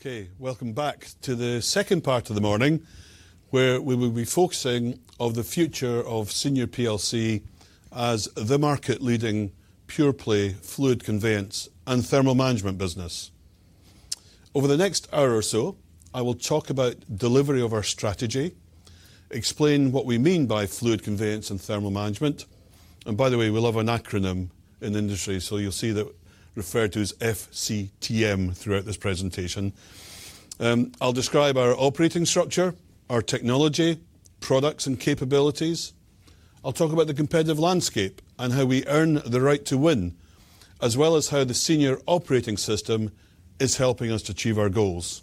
Okay, welcome back to the second part of the morning, where we will be focusing on the future of Senior plc as the market-leading pure-play fluid conveyance and thermal management business. Over the next hour or so, I will talk about the delivery of our strategy, explain what we mean by fluid conveyance and thermal management. By the way, we love an acronym in the industry, so you'll see that referred to as FCTM throughout this presentation. I'll describe our operating structure, our technology, products, and capabilities. I'll talk about the competitive landscape and how we earn the right to win, as well as how the Senior Operating System is helping us to achieve our goals.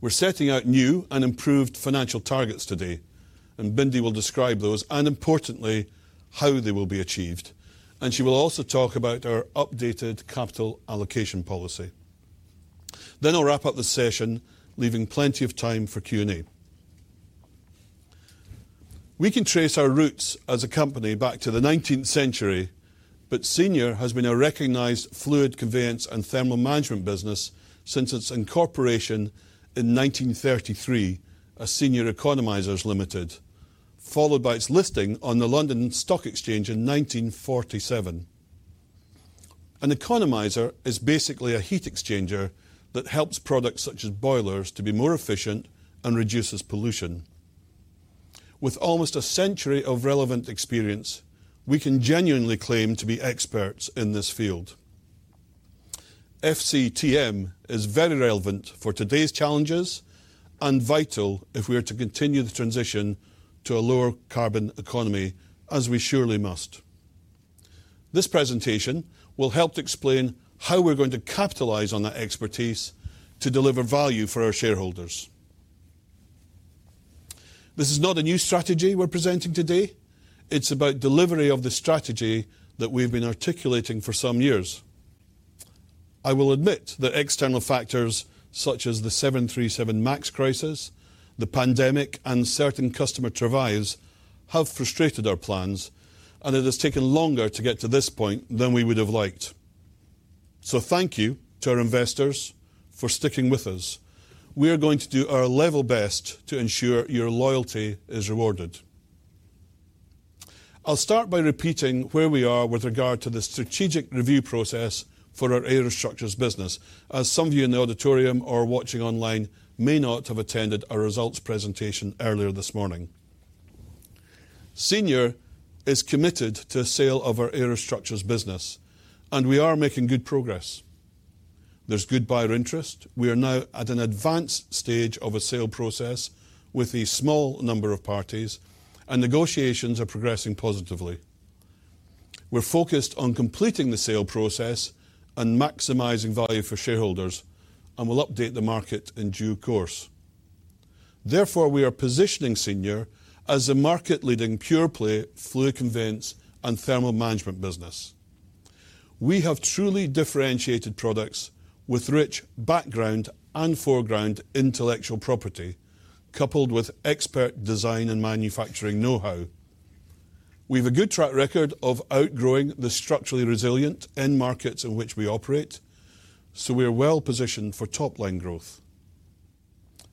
We're setting out new and improved financial targets today, and Bindi will describe those, and importantly, how they will be achieved. She will also talk about our updated capital allocation policy. I will wrap up the session, leaving plenty of time for Q&A. We can trace our roots as a company back to the 19th century, but Senior has been a recognized fluid conveyance and thermal management business since its incorporation in 1933 as Senior Economisers Limited, followed by its listing on the London Stock Exchange in 1947. An economizer is basically a heat exchanger that helps products such as boilers to be more efficient and reduces pollution. With almost a century of relevant experience, we can genuinely claim to be experts in this field. FCTM is very relevant for today's challenges and vital if we are to continue the transition to a lower carbon economy, as we surely must. This presentation will help to explain how we're going to capitalize on that expertise to deliver value for our shareholders. This is not a new strategy we're presenting today. It's about delivery of the strategy that we've been articulating for some years. I will admit that external factors such as the 737 MAX crisis, the pandemic, and certain customer travails have frustrated our plans, and it has taken longer to get to this point than we would have liked. Thank you to our investors for sticking with us. We are going to do our level best to ensure your loyalty is rewarded. I'll start by repeating where we are with regard to the strategic review process for our aero structures business, as some of you in the auditorium or watching online may not have attended our results presentation earlier this morning. Senior is committed to the sale of our aero structures business, and we are making good progress. There's good buyer interest. We are now at an advanced stage of a sale process with a small number of parties, and negotiations are progressing positively. We're focused on completing the sale process and maximizing value for shareholders, and we'll update the market in due course. Therefore, we are positioning Senior as the market-leading pure-play fluid conveyance and thermal management business. We have truly differentiated products with rich background and foreground intellectual property, coupled with expert design and manufacturing know-how. We have a good track record of outgrowing the structurally resilient end markets in which we operate, so we are well positioned for top-line growth.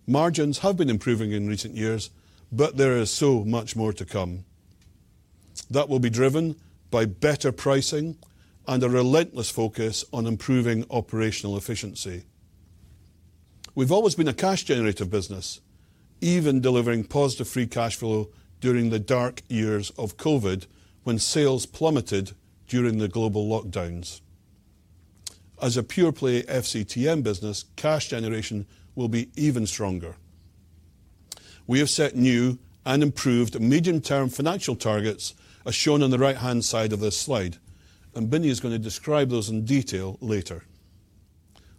Margins have been improving in recent years, but there is so much more to come. That will be driven by better pricing and a relentless focus on improving operational efficiency. We've always been a cash-generative business, even delivering positive free cash flow during the dark years of COVID when sales plummeted during the global lockdowns. As a pure-play FCTM business, cash generation will be even stronger. We have set new and improved medium-term financial targets, as shown on the right-hand side of this slide, and Bindi is going to describe those in detail later.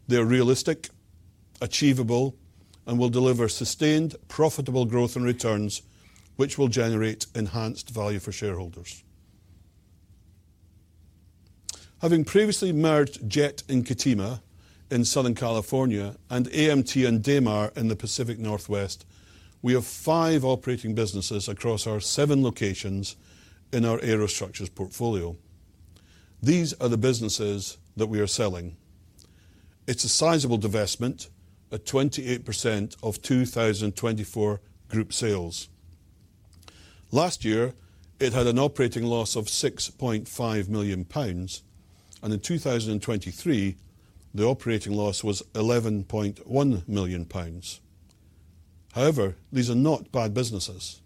They are realistic, achievable, and will deliver sustained, profitable growth and returns, which will generate enhanced value for shareholders. Having previously merged JET and Ketema in Southern California and AMT and Damar in the Pacific Northwest, we have five operating businesses across our seven locations in our aero structures portfolio. These are the businesses that we are selling. It's a sizable divestment, at 28% of 2024 group sales. Last year, it had an operating loss of 6.5 million pounds, and in 2023, the operating loss was 11.1 million pounds. However, these are not bad businesses.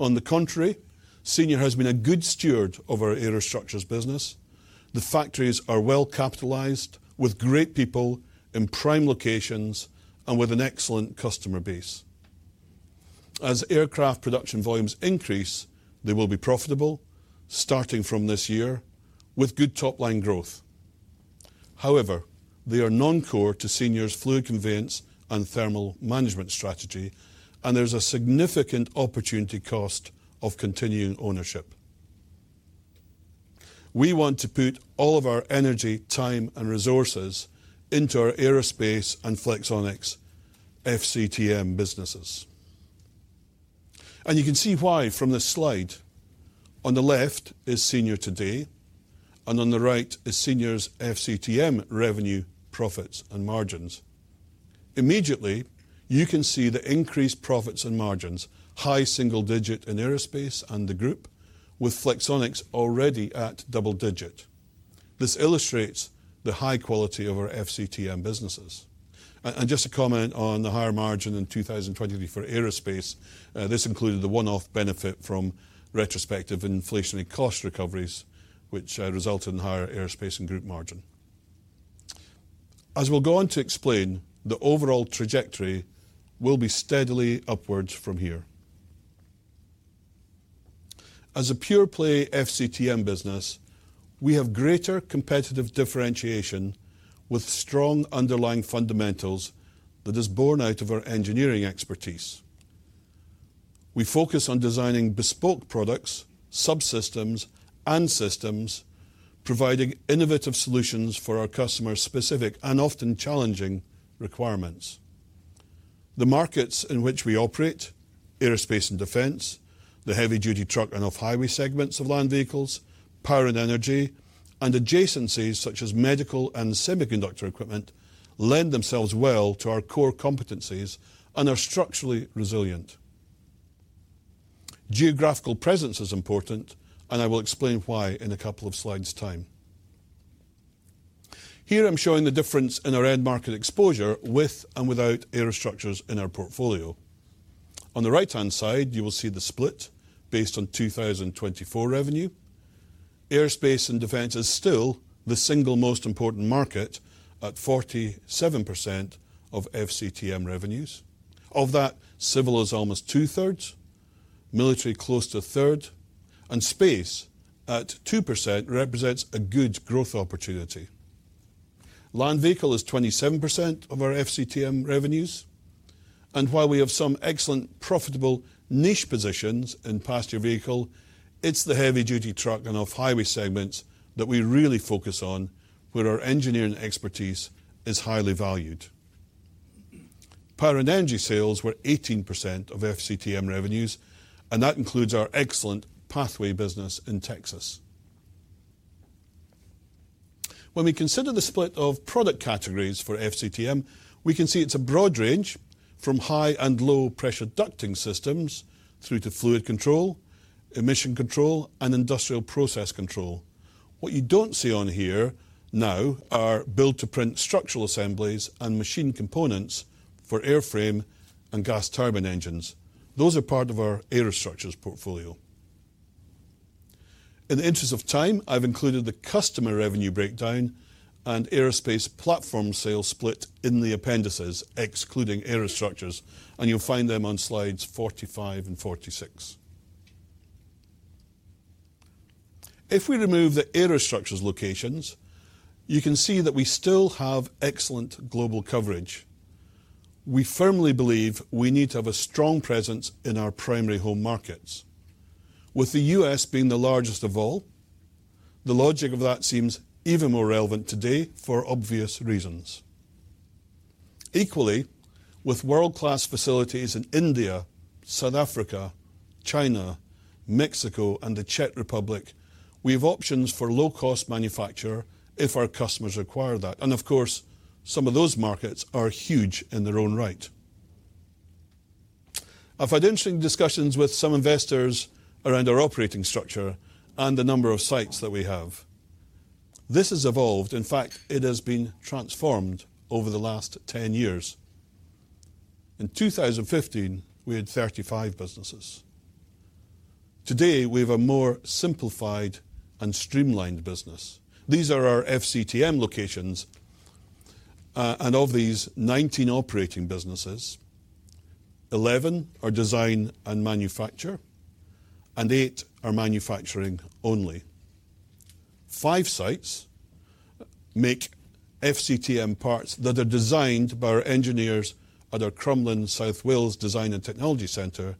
On the contrary, Senior has been a good steward of our aero structures business. The factories are well capitalized, with great people in prime locations and with an excellent customer base. As aircraft production volumes increase, they will be profitable, starting from this year, with good top-line growth. However, they are non-core to Senior's fluid conveyance and thermal management strategy, and there is a significant opportunity cost of continuing ownership. We want to put all of our energy, time, and resources into our aerospace and flexonics FCTM businesses. You can see why from this slide. On the left is Senior today, and on the right is Senior's FCTM revenue, profits, and margins. Immediately, you can see the increased profits and margins, high single-digit in aerospace and the group, with flexonics already at double digit. This illustrates the high quality of our FCTM businesses. Just to comment on the higher margin in 2023 for aerospace, this included the one-off benefit from retrospective inflationary cost recoveries, which resulted in higher aerospace and group margin. As we will go on to explain, the overall trajectory will be steadily upwards from here. As a pure-play FCTM business, we have greater competitive differentiation with strong underlying fundamentals that are borne out of our engineering expertise. We focus on designing bespoke products, subsystems, and systems, providing innovative solutions for our customer-specific and often challenging requirements. The markets in which we operate, aerospace and defense, the heavy-duty truck and off-highway segments of land vehicles, power and energy, and adjacencies such as medical and semiconductor equipment lend themselves well to our core competencies and are structurally resilient. Geographical presence is important, and I will explain why in a couple of slides' time. Here I am showing the difference in our end market exposure with and without aero structures in our portfolio. On the right-hand side, you will see the split based on 2024 revenue. Aerospace and defense is still the single most important market at 47% of FCTM revenues. Of that, civil is almost two-thirds, military close to a third, and space at 2% represents a good growth opportunity. Land vehicle is 27% of our FCTM revenues. While we have some excellent profitable niche positions in passenger vehicle, it's the heavy-duty truck and off-highway segments that we really focus on, where our engineering expertise is highly valued. Power and energy sales were 18% of FCTM revenues, and that includes our excellent Pathway business in Texas. When we consider the split of product categories for FCTM, we can see it's a broad range from high and low-pressure ducting systems through to fluid control, emission control, and industrial process control. What you don't see on here now are build-to-print structural assemblies and machine components for airframe and gas turbine engines. Those are part of our aero structures portfolio. In the interest of time, I've included the customer revenue breakdown and aerospace platform sales split in the appendices, excluding aero structures, and you'll find them on slides 45 and 46. If we remove the aero structures locations, you can see that we still have excellent global coverage. We firmly believe we need to have a strong presence in our primary home markets. With the U.S. being the largest of all, the logic of that seems even more relevant today for obvious reasons. Equally, with world-class facilities in India, South Africa, China, Mexico, and the Czech Republic, we have options for low-cost manufacture if our customers require that. Of course, some of those markets are huge in their own right. I've had interesting discussions with some investors around our operating structure and the number of sites that we have. This has evolved. In fact, it has been transformed over the last 10 years. In 2015, we had 35 businesses. Today, we have a more simplified and streamlined business. These are our FCTM locations. Of these 19 operating businesses, 11 are design and manufacture, and 8 are manufacturing only. Five sites make FCTM parts that are designed by our engineers at our Crumlin, South Wales Design and Technology Center,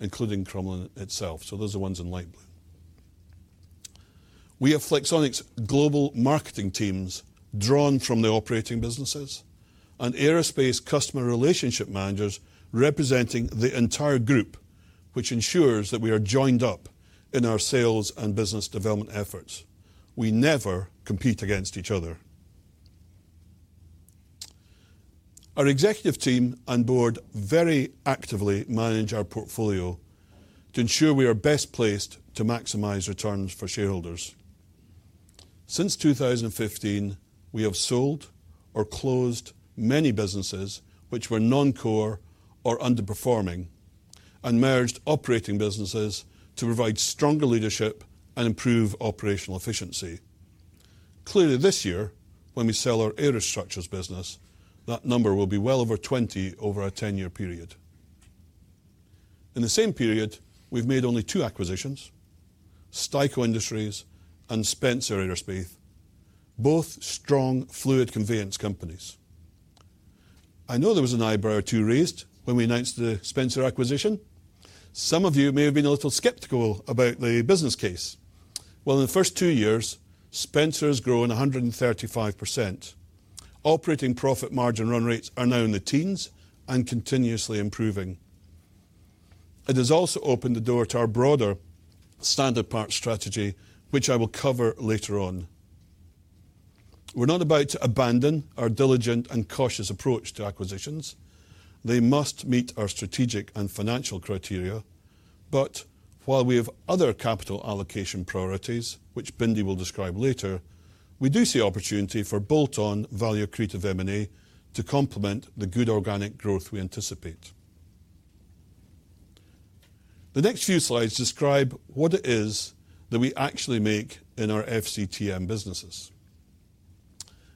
including Crumlin itself. Those are the ones in light blue. We have Flexonics' global marketing teams drawn from the operating businesses and aerospace customer relationship managers representing the entire group, which ensures that we are joined up in our sales and business development efforts. We never compete against each other. Our executive team and board very actively manage our portfolio to ensure we are best placed to maximize returns for shareholders. Since 2015, we have sold or closed many businesses which were non-core or underperforming and merged operating businesses to provide stronger leadership and improve operational efficiency. Clearly, this year, when we sell our aero structures business, that number will be well over 20 over a 10-year period. In the same period, we've made only two acquisitions: Styco Industries and Spencer Aerospace, both strong fluid conveyance companies. I know there was an eyebrow or two raised when we announced the Spencer acquisition. Some of you may have been a little skeptical about the business case. Well, in the first two years, Spencer has grown 135%. Operating profit margin run rates are now in the teens and continuously improving. It has also opened the door to our broader standard part strategy, which I will cover later on. We're not about to abandon our diligent and cautious approach to acquisitions. They must meet our strategic and financial criteria. While we have other capital allocation priorities, which Bindi will describe later, we do see opportunity for bolt-on value creative M&A to complement the good organic growth we anticipate. The next few slides describe what it is that we actually make in our FCTM businesses.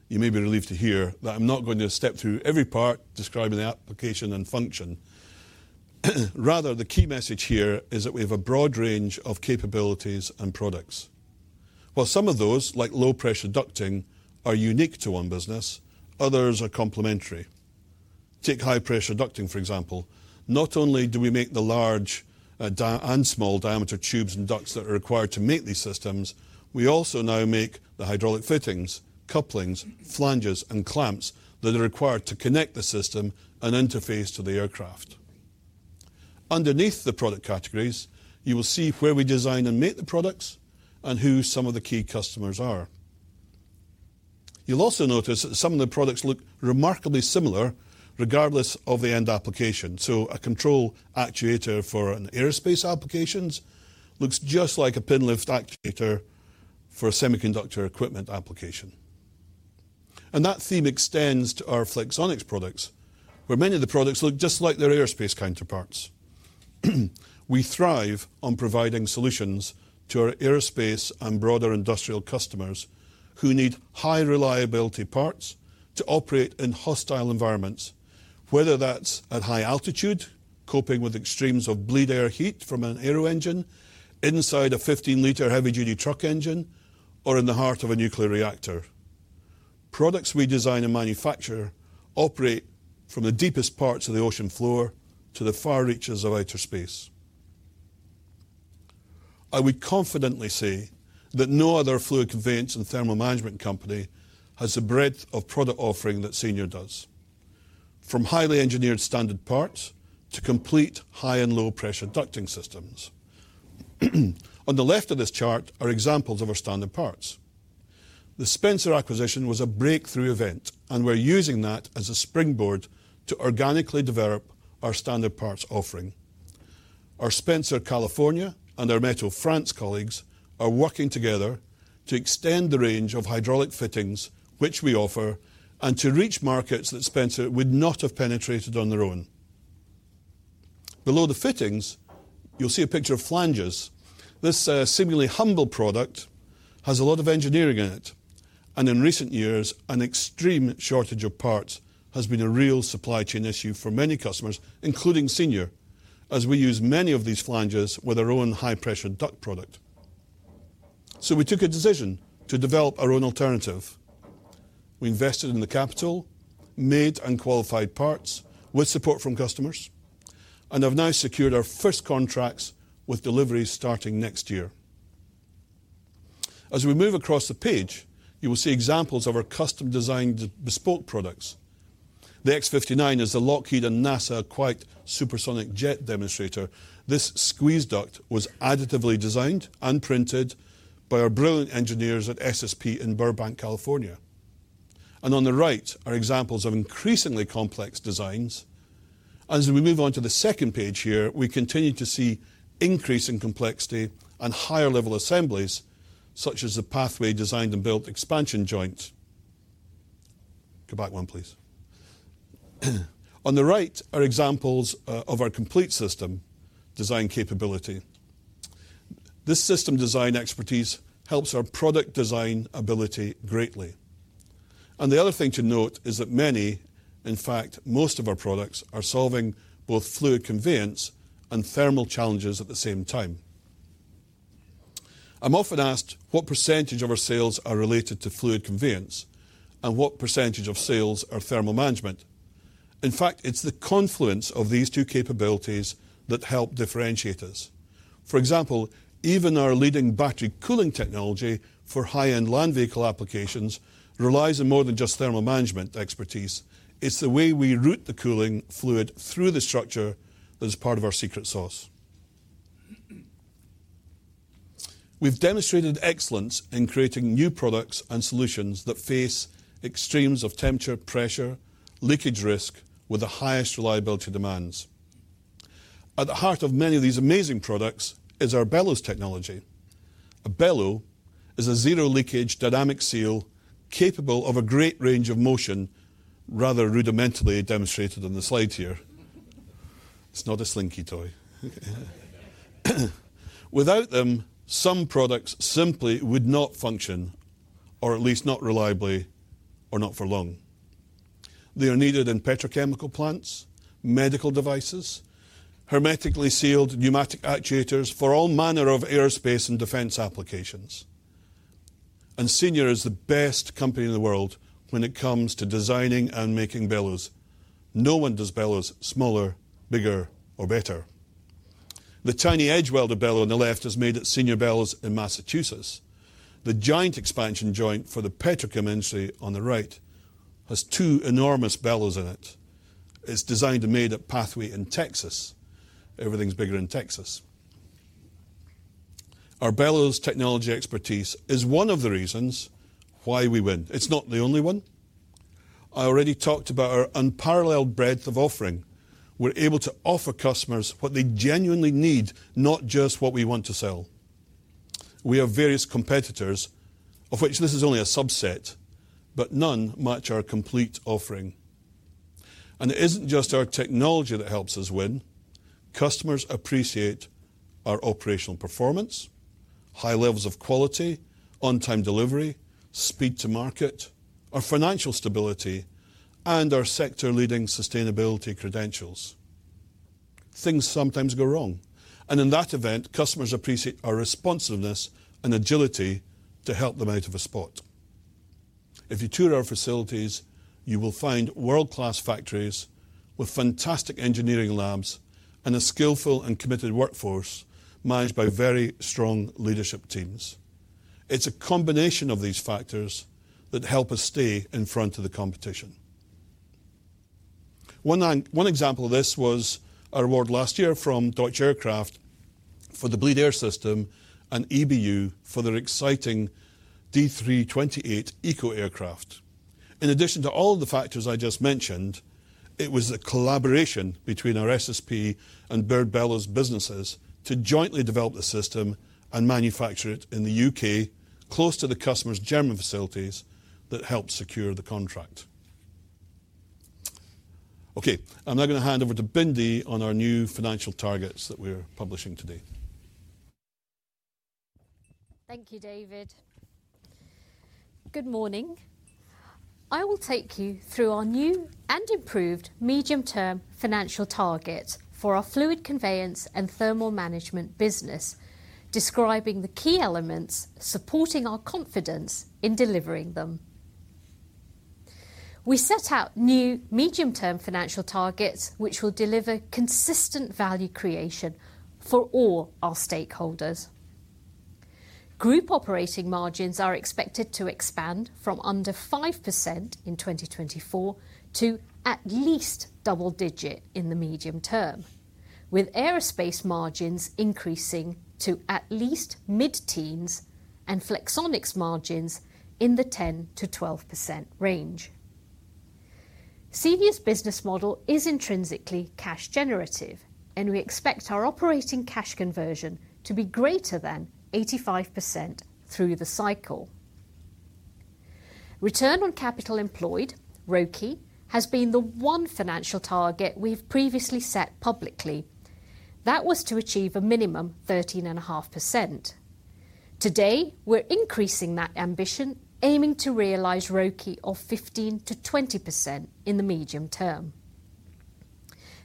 You may be relieved to hear that I'm not going to step through every part describing the application and function. Rather, the key message here is that we have a broad range of capabilities and products. While some of those, like low-pressure ducting, are unique to one business, others are complementary. Take high-pressure ducting, for example. Not only do we make the large and small diameter tubes and ducts that are required to make these systems, we also now make the hydraulic fittings, couplings, flanges, and clamps that are required to connect the system and interface to the aircraft. Underneath the product categories, you will see where we design and make the products and who some of the key customers are. You will also notice that some of the products look remarkably similar regardless of the end application. A control actuator for aerospace applications looks just like a pin lift actuator for a semiconductor equipment application. That theme extends to our flexonics products, where many of the products look just like their aerospace counterparts. We thrive on providing solutions to our aerospace and broader industrial customers who need high-reliability parts to operate in hostile environments, whether that is at high altitude, coping with extremes of bleed air heat from an aero engine, inside a 15-L heavy-duty truck engine, or in the heart of a nuclear reactor. Products we design and manufacture operate from the deepest parts of the ocean floor to the far reaches of outer space. I would confidently say that no other fluid conveyance and thermal management company has the breadth of product offering that Senior does, from highly engineered standard parts to complete high and low-pressure ducting systems. On the left of this chart are examples of our standard parts. The Spencer acquisition was a breakthrough event, and we're using that as a springboard to organically develop our standard parts offering. Our Spencer California and Ermeto France colleagues are working together to extend the range of hydraulic fittings which we offer and to reach markets that Spencer would not have penetrated on their own. Below the fittings, you'll see a picture of flanges. This seemingly humble product has a lot of engineering in it. In recent years, an extreme shortage of parts has been a real supply chain issue for many customers, including Senior, as we use many of these flanges with our own high-pressure duct product. We took a decision to develop our own alternative. We invested in the capital, made and qualified parts with support from customers, and have now secured our first contracts with deliveries starting next year. As we move across the page, you will see examples of our custom-designed bespoke products. The X-59 is the Lockheed and NASA Quiet Supersonic Jet Demonstrator. This squeeze duct was additively designed and printed by our brilliant engineers at SSP in Burbank, California. On the right are examples of increasingly complex designs. As we move on to the second page here, we continue to see increasing complexity and higher-level assemblies, such as the Pathway designed and built expansion joint. Go back one, please. On the right are examples of our complete system design capability. This system design expertise helps our product design ability greatly. The other thing to note is that many, in fact, most of our products are solving both fluid conveyance and thermal challenges at the same time. I'm often asked what percentage of our sales are related to fluid conveyance and what percentage of sales are thermal management. In fact, it's the confluence of these two capabilities that help differentiate us. For example, even our leading battery cooling technology for high-end land vehicle applications relies on more than just thermal management expertise. It's the way we route the cooling fluid through the structure that is part of our secret sauce. We've demonstrated excellence in creating new products and solutions that face extremes of temperature, pressure, leakage risk with the highest reliability demands. At the heart of many of these amazing products is our Bellows Technology. A Bellows is a zero-leakage dynamic seal capable of a great range of motion, rather rudimentarily demonstrated on the slide here. It's not a slinky toy. Without them, some products simply would not function, or at least not reliably, or not for long. They are needed in petrochemical plants, medical devices, hermetically sealed pneumatic actuators for all manner of aerospace and defense applications. Senior is the best company in the world when it comes to designing and making Bellows. No one does Bellows smaller, bigger, or better. The tiny edge welder Bellows on the left is made at Senior Bellows in Massachusetts. The giant expansion joint for the Petrochem industry on the right has two enormous Bellows in it. It's designed and made at Pathway in Texas. Everything's bigger in Texas. Our Bellows technology expertise is one of the reasons why we win. It's not the only one. I already talked about our unparalleled breadth of offering. We're able to offer customers what they genuinely need, not just what we want to sell. We have various competitors, of which this is only a subset, but none match our complete offering. It isn't just our technology that helps us win. Customers appreciate our operational performance, high levels of quality, on-time delivery, speed to market, our financial stability, and our sector-leading sustainability credentials. Things sometimes go wrong. In that event, customers appreciate our responsiveness and agility to help them out of a spot. If you tour our facilities, you will find world-class factories with fantastic engineering labs and a skillful and committed workforce managed by very strong leadership teams. It's a combination of these factors that help us stay in front of the competition. One example of this was our award last year from Deutsche Aircraft for the bleed air system and EBU for their exciting D328eco aircraft. In addition to all of the factors I just mentioned, it was a collaboration between our SSP and Bird Bellows businesses to jointly develop the system and manufacture it in the U.K., close to the customer's German facilities that helped secure the contract. Okay, I'm now going to hand over to Bindi on our new financial targets that we're publishing today. Thank you, David. Good morning. I will take you through our new and improved medium-term financial targets for our fluid conveyance and thermal management business, describing the key elements supporting our confidence in delivering them. We set out new medium-term financial targets which will deliver consistent value creation for all our stakeholders. Group operating margins are expected to expand from under 5% in 2024 to at least double-digit in the medium term, with aerospace margins increasing to at least mid-teens and flexonics margins in the 10%-12% range. Senior's business model is intrinsically cash-generative, and we expect our operating cash conversion to be greater than 85% through the cycle. Return on capital employed, ROCE, has been the one financial target we have previously set publicly. That was to achieve a minimum of 13.5%. Today, we're increasing that ambition, aiming to realize ROCE of 15%-20% in the medium term.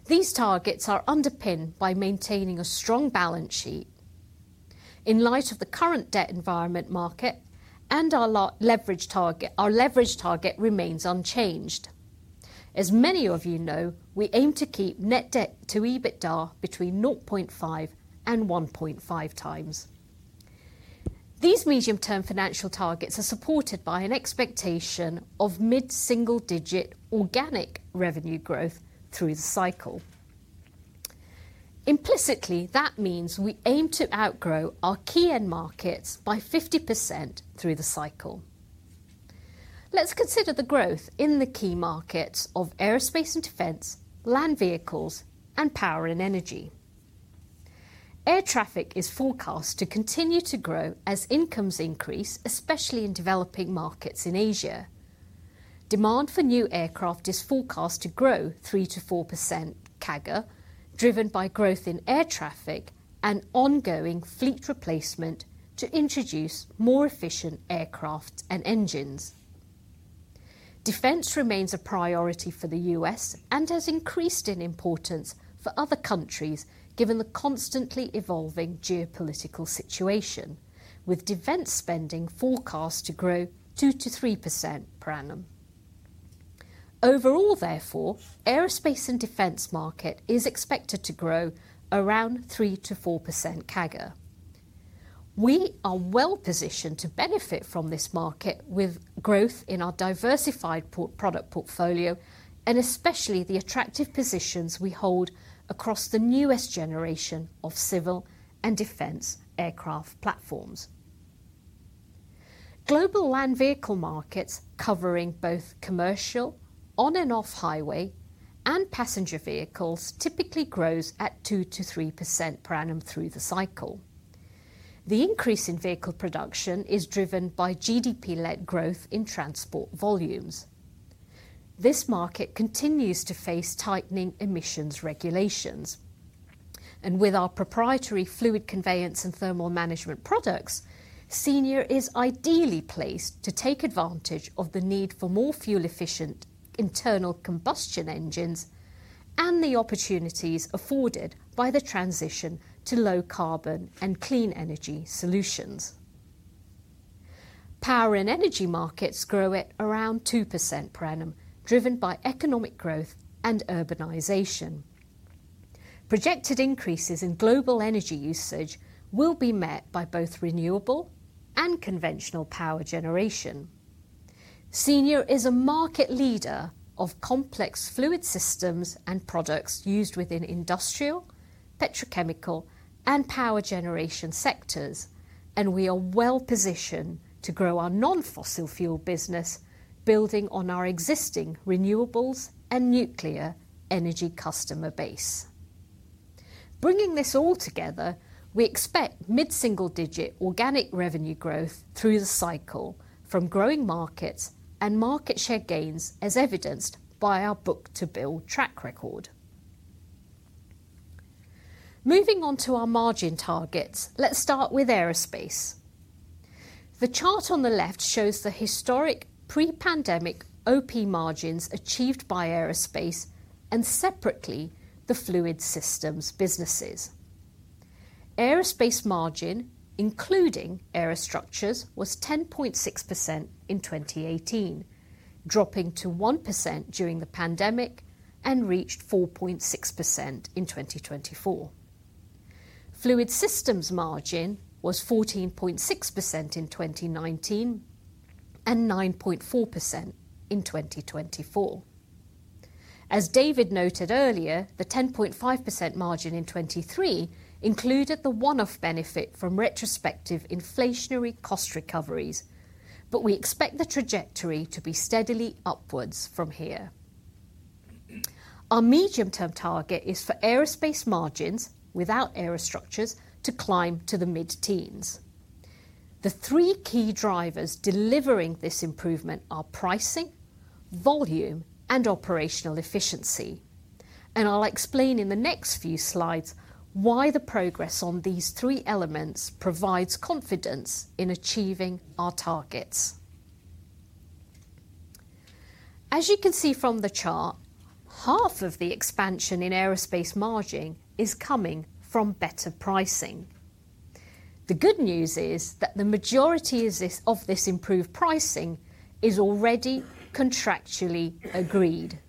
These targets are underpinned by maintaining a strong balance sheet. In light of the current debt environment market and our leverage target, our leverage target remains unchanged. As many of you know, we aim to keep net debt to EBITDA between 0.5x and 1.5x. These medium-term financial targets are supported by an expectation of mid-single-digit organic revenue growth through the cycle. Implicitly, that means we aim to outgrow our key end markets by 50% through the cycle. Let's consider the growth in the key markets of aerospace and defense, land vehicles, and power and energy. Air traffic is forecast to continue to grow as incomes increase, especially in developing markets in Asia. Demand for new aircraft is forecast to grow 3%-4% CAGR, driven by growth in air traffic and ongoing fleet replacement to introduce more efficient aircraft and engines. Defense remains a priority for the U.S. and has increased in importance for other countries given the constantly evolving geopolitical situation, with defense spending forecast to grow 2%-3% per annum. Overall, therefore, the aerospace and defense market is expected to grow around 3%-4% CAGR. We are well positioned to benefit from this market with growth in our diversified product portfolio and especially the attractive positions we hold across the newest generation of civil and defense aircraft platforms. Global land vehicle markets covering both commercial, on- and off-highway, and passenger vehicles typically grow at 2%-3% per annum through the cycle. The increase in vehicle production is driven by GDP-led growth in transport volumes. This market continues to face tightening emissions regulations. With our proprietary fluid conveyance and thermal management products, Senior is ideally placed to take advantage of the need for more fuel-efficient internal combustion engines and the opportunities afforded by the transition to low-carbon and clean energy solutions. Power and energy markets grow at around 2% per annum, driven by economic growth and urbanization. Projected increases in global energy usage will be met by both renewable and conventional power generation. Senior is a market leader of complex fluid systems and products used within industrial, petrochemical, and power generation sectors, and we are well positioned to grow our non-fossil fuel business, building on our existing renewables and nuclear energy customer base. Bringing this all together, we expect mid-single-digit organic revenue growth through the cycle from growing markets and market share gains, as evidenced by our book-to-bill track record. Moving on to our margin targets, let's start with aerospace. The chart on the left shows the historic pre-pandemic OP margins achieved by aerospace and separately the fluid systems businesses. Aerospace margin, including aero structures, was 10.6% in 2018, dropping to 1% during the pandemic and reached 4.6% in 2024. Fluid systems margin was 14.6% in 2019 and 9.4% in 2024. As David noted earlier, the 10.5% margin in 2023 included the one-off benefit from retrospective inflationary cost recoveries. We expect the trajectory to be steadily upwards from here. Our medium-term target is for aerospace margins without aero structures to climb to the mid-teens. The three key drivers delivering this improvement are pricing, volume, and operational efficiency. I'll explain in the next few slides why the progress on these three elements provides confidence in achieving our targets. As you can see from the chart, half of the expansion in aerospace margin is coming from better pricing. The good news is that the majority of this improved pricing is already contractually agreed.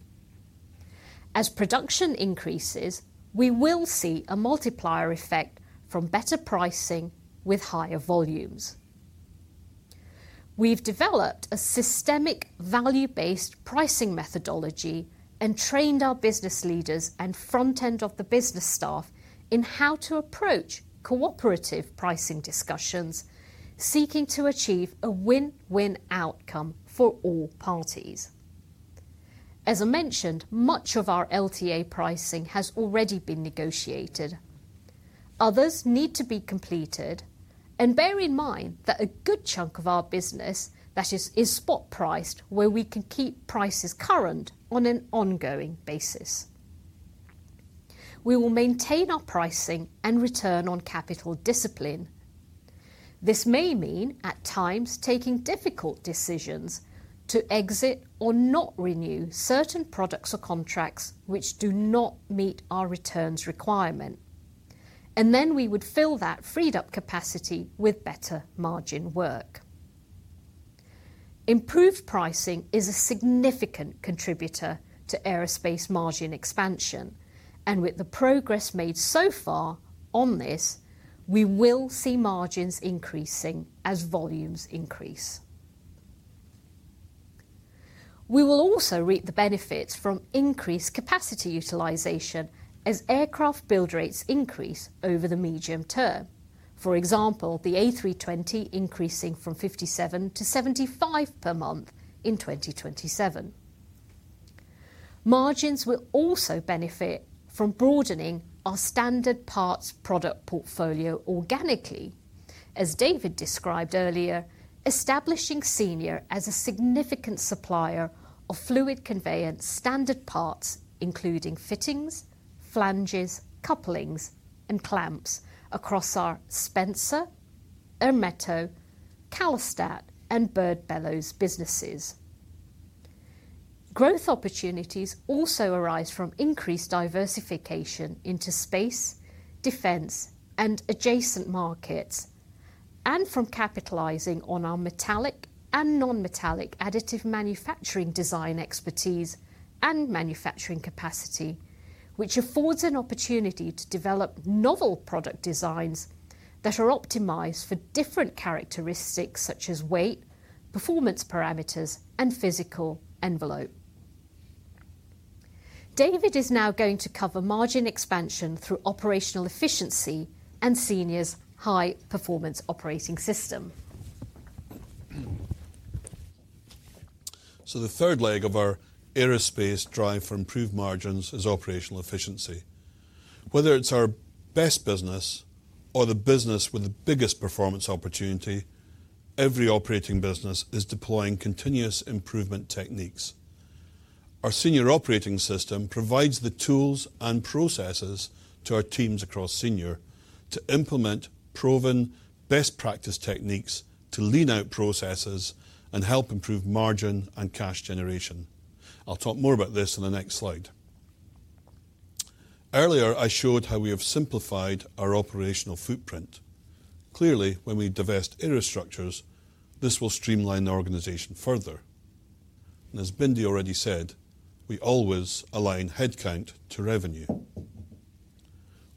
As production increases, we will see a multiplier effect from better pricing with higher volumes. We've developed a systemic value-based pricing methodology and trained our business leaders and front-end of the business staff in how to approach cooperative pricing discussions, seeking to achieve a win-win outcome for all parties. As I mentioned, much of our LTA pricing has already been negotiated. Others need to be completed, and bear in mind that a good chunk of our business that is spot priced where we can keep prices current on an ongoing basis. We will maintain our pricing and return on capital discipline. This may mean at times taking difficult decisions to exit or not renew certain products or contracts which do not meet our returns requirement. We would fill that freed-up capacity with better margin work. Improved pricing is a significant contributor to aerospace margin expansion. With the progress made so far on this, we will see margins increasing as volumes increase. We will also reap the benefits from increased capacity utilization as aircraft build rates increase over the medium term. For example, the A320 increasing from 57% to 75% per month in 2027. Margins will also benefit from broadening our standard parts product portfolio organically. As David described earlier, establishing Senior as a significant supplier of fluid conveyance standard parts, including fittings, flanges, couplings, and clamps across our Spencer, Ermeto, CALSTAT, and Bird Bellows businesses. Growth opportunities also arise from increased diversification into space, defense, and adjacent markets, and from capitalizing on our metallic and non-metallic additive manufacturing design expertise and manufacturing capacity, which affords an opportunity to develop novel product designs that are optimized for different characteristics such as weight, performance parameters, and physical envelope. David is now going to cover margin expansion through operational efficiency and Senior's high-performance operating system. The third leg of our aerospace drive for improved margins is operational efficiency. Whether it's our best business or the business with the biggest performance opportunity, every operating business is deploying continuous improvement techniques. Our Senior Operating System provides the tools and processes to our teams across Senior to implement proven, best-practice techniques to lean out processes and help improve margin and cash generation. I'll talk more about this in the next slide. Earlier, I showed how we have simplified our operational footprint. Clearly, when we divest aero structures, this will streamline the organization further. As Bindi already said, we always align headcount to revenue.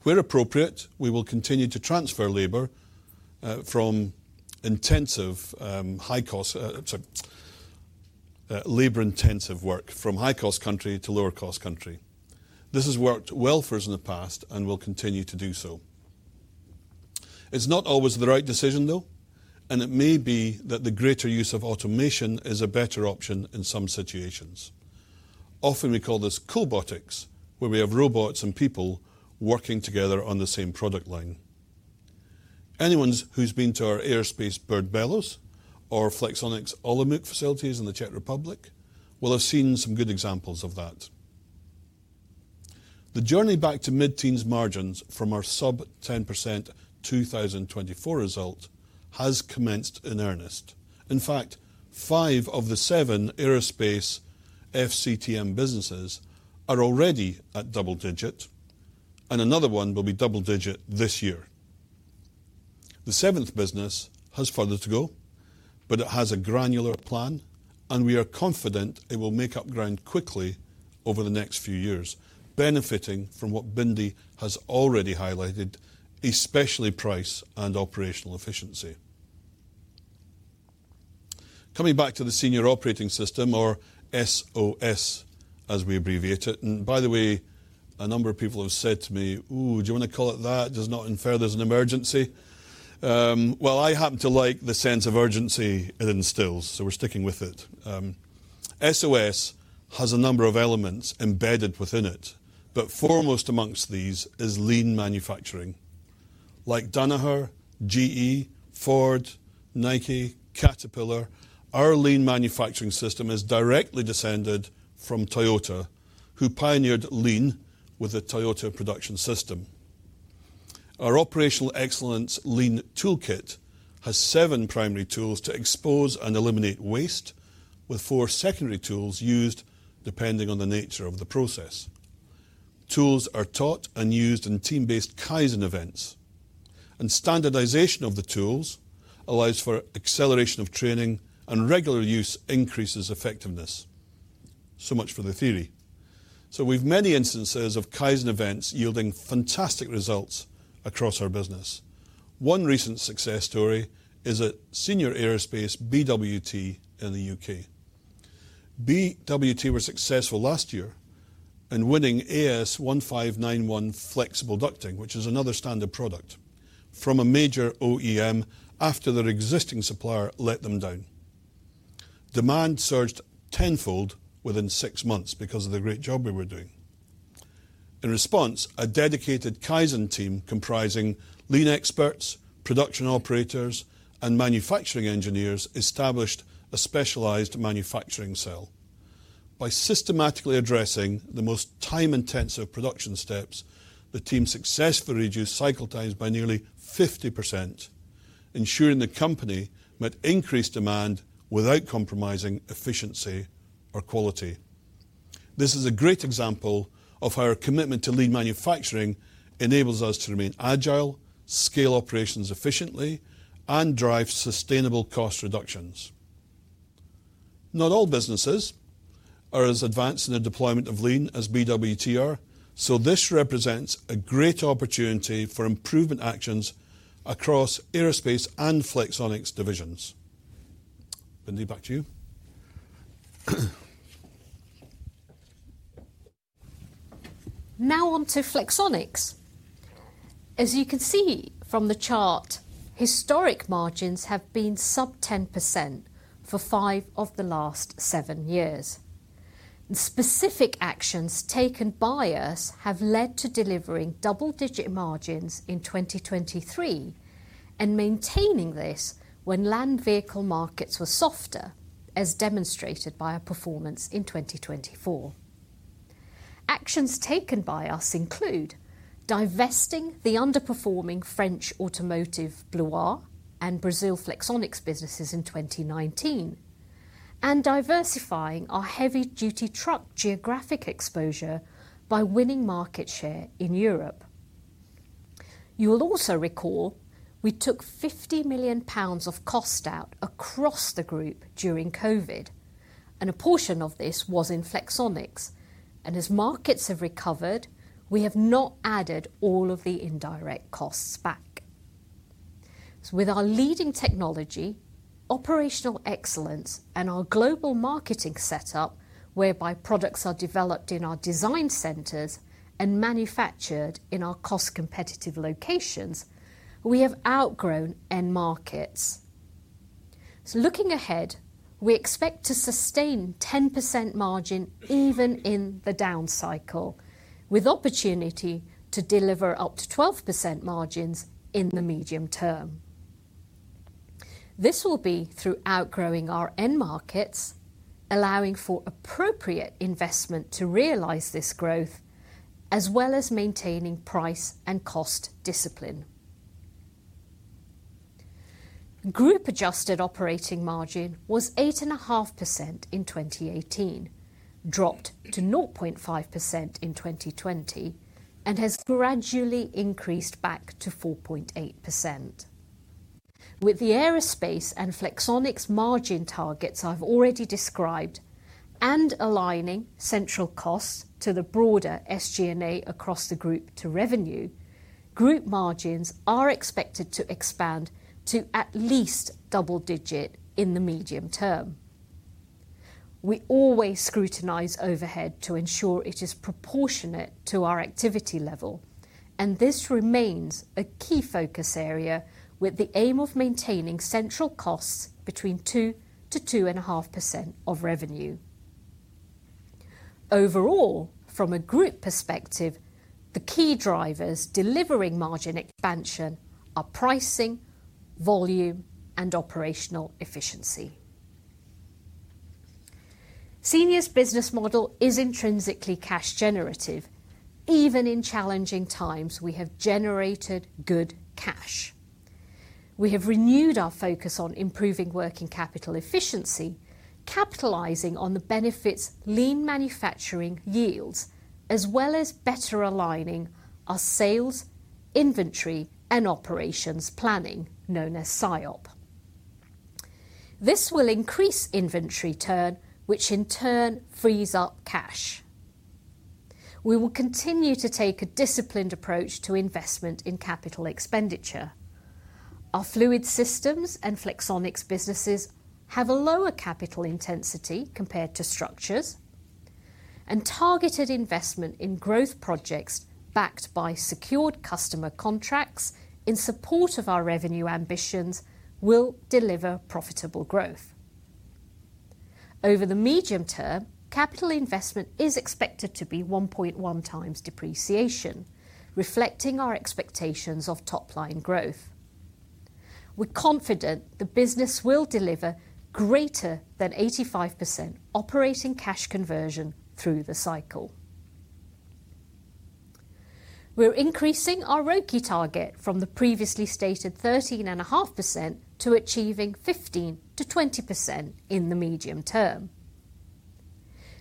Where appropriate, we will continue to transfer labor-intensive work from high-cost country to lower-cost country. This has worked well for us in the past and will continue to do so. It's not always the right decision, though, and it may be that the greater use of automation is a better option in some situations. Often we call this cobotics, where we have robots and people working together on the same product line. Anyone who's been to our aerospace Bird Bellows or Flexonics Olomouc facilities in the Czech Republic will have seen some good examples of that. The journey back to mid-teens margins from our sub-10% 2024 result has commenced in earnest. In fact, five of the seven aerospace FCTM businesses are already at double digit, and another one will be double digit this year. The seventh business has further to go, but it has a granular plan, and we are confident it will make up ground quickly over the next few years, benefiting from what Bindi has already highlighted, especially price and operational efficiency. Coming back to the Senior Operating System, or SOS as we abbreviate it. By the way, a number of people have said to me, "Oh, do you want to call it that? Does not infer there's an emergency." I happen to like the sense of urgency it instills, so we're sticking with it. SOS has a number of elements embedded within it, but foremost amongst these is lean manufacturing. Like Danaher, GE, Ford, Nike, Caterpillar, our lean manufacturing system is directly descended from Toyota, who pioneered lean with the Toyota production system. Our operational excellence lean toolkit has seven primary tools to expose and eliminate waste, with four secondary tools used depending on the nature of the process. Tools are taught and used in team-based Kaizen events, and standardization of the tools allows for acceleration of training and regular use increases effectiveness. So much for the theory. We have many instances of Kaizen events yielding fantastic results across our business. One recent success story is at Senior Aerospace BWT in the U.K. BWT were successful last year in winning AS1591 flexible ducting, which is another standard product, from a major OEM after their existing supplier let them down. Demand surged tenfold within six months because of the great job we were doing. In response, a dedicated Kaizen team comprising lean experts, production operators, and manufacturing engineers established a specialized manufacturing cell. By systematically addressing the most time-intensive production steps, the team successfully reduced cycle times by nearly 50%, ensuring the company met increased demand without compromising efficiency or quality. This is a great example of how our commitment to lean manufacturing enables us to remain agile, scale operations efficiently, and drive sustainable cost reductions. Not all businesses are as advanced in the deployment of lean as BWT are, so this represents a great opportunity for improvement actions across aerospace and flexonics divisions. Bindi, back to you. Now on to flexonics. As you can see from the chart, historic margins have been sub-10% for five of the last seven years. Specific actions taken by us have led to delivering double-digit margins in 2023 and maintaining this when land vehicle markets were softer, as demonstrated by our performance in 2024. Actions taken by us include divesting the underperforming French automotive Bleu R and Brazil flexonics businesses in 2019, and diversifying our heavy-duty truck geographic exposure by winning market share in Europe. You will also recall we took 50 million pounds of cost out across the group during COVID, and a portion of this was in flexonics. As markets have recovered, we have not added all of the indirect costs back. With our leading technology, operational excellence, and our global marketing setup, whereby products are developed in our design centers and manufactured in our cost-competitive locations, we have outgrown end markets. Looking ahead, we expect to sustain 10% margin even in the down cycle, with opportunity to deliver up to 12% margins in the medium term. This will be through outgrowing our end markets, allowing for appropriate investment to realize this growth, as well as maintaining price and cost discipline. Group-adjusted operating margin was 8.5% in 2018, dropped to 0.5% in 2020, and has gradually increased back to 4.8%. With the aerospace and flexonics margin targets I've already described, and aligning central costs to the broader SG&A across the group to revenue, group margins are expected to expand to at least double digit in the medium term. We always scrutinize overhead to ensure it is proportionate to our activity level, and this remains a key focus area with the aim of maintaining central costs between 2%-2.5% of revenue. Overall, from a group perspective, the key drivers delivering margin expansion are pricing, volume, and operational efficiency. Senior's business model is intrinsically cash generative. Even in challenging times, we have generated good cash. We have renewed our focus on improving working capital efficiency, capitalizing on the benefits lean manufacturing yields, as well as better aligning our sales, inventory, and operations planning, known as SIOP. This will increase inventory turn, which in turn frees up cash. We will continue to take a disciplined approach to investment in capital expenditure. Our fluid systems and flexonics businesses have a lower capital intensity compared to structures, and targeted investment in growth projects backed by secured customer contracts in support of our revenue ambitions will deliver profitable growth. Over the medium term, capital investment is expected to be 1.1x depreciation, reflecting our expectations of top-line growth. We're confident the business will deliver greater than 85% operating cash conversion through the cycle. We're increasing our ROCE target from the previously stated 13.5% to achieving 15%-20% in the medium term.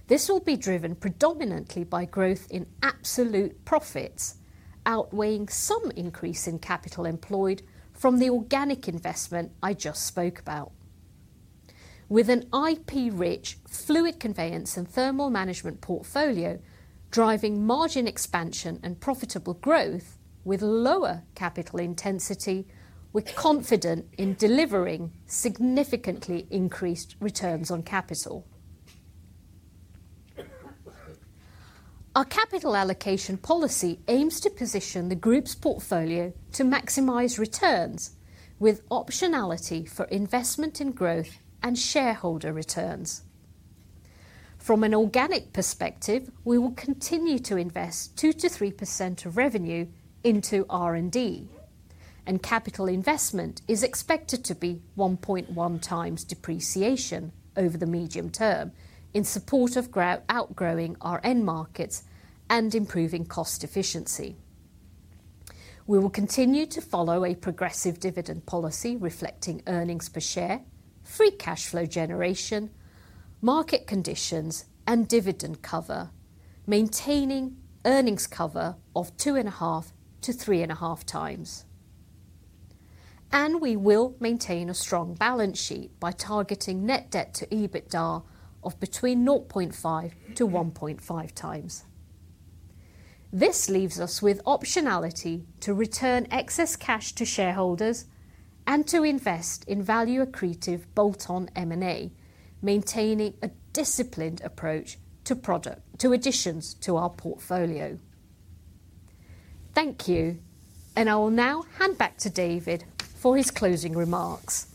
This will be driven predominantly by growth in absolute profits, outweighing some increase in capital employed from the organic investment I just spoke about. With an IP-rich fluid conveyance and thermal management portfolio driving margin expansion and profitable growth with lower capital intensity, we're confident in delivering significantly increased returns on capital. Our capital allocation policy aims to position the group's portfolio to maximize returns, with optionality for investment in growth and shareholder returns. From an organic perspective, we will continue to invest 2%-3% of revenue into R&D, and capital investment is expected to be 1.1x depreciation over the medium term in support of outgrowing our end markets and improving cost efficiency. We will continue to follow a progressive dividend policy reflecting earnings per share, free cash flow generation, market conditions, and dividend cover, maintaining earnings cover of 2.5x-3.5x. We will maintain a strong balance sheet by targeting net debt to EBITDA of between 0.5x-1.5x. This leaves us with optionality to return excess cash to shareholders and to invest in value-accretive bolt-on M&A, maintaining a disciplined approach to additions to our portfolio. Thank you, and I will now hand back to David for his closing remarks.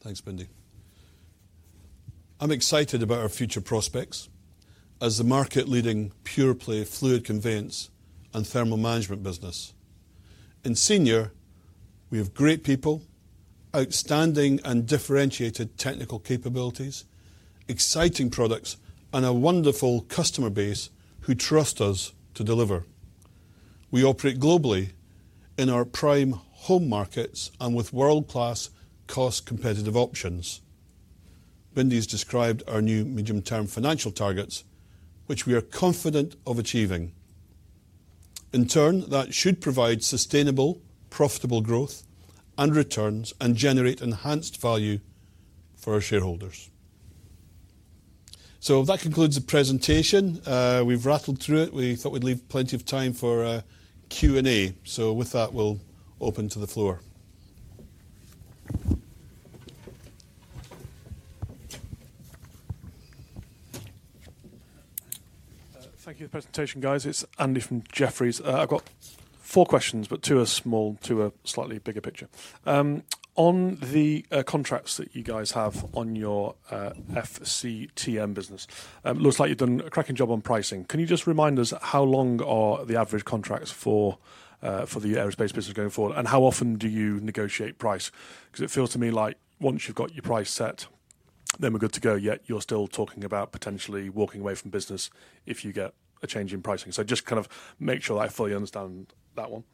Thanks, Bindi. I'm excited about our future prospects as the market-leading pure-play fluid conveyance and thermal management business. In Senior, we have great people, outstanding and differentiated technical capabilities, exciting products, and a wonderful customer base who trust us to deliver. We operate globally in our prime home markets and with world-class cost-competitive options. Bindi has described our new medium-term financial targets, which we are confident of achieving. In turn, that should provide sustainable, profitable growth and returns and generate enhanced value for our shareholders. That concludes the presentation. We've rattled through it. We thought we'd leave plenty of time for Q&A. With that, we'll open to the floor. Thank you for the presentation, guys. It's Andy from Jefferies. I've got four questions, but two are small, two are slightly bigger picture. On the contracts that you guys have on your FCTM business, it looks like you've done a cracking job on pricing. Can you just remind us how long are the average contracts for the aerospace business going forward, and how often do you negotiate price? Because it feels to me like once you've got your price set, then we're good to go, yet you're still talking about potentially walking away from business if you get a change in pricing. Just kind of make sure that I fully understand that one.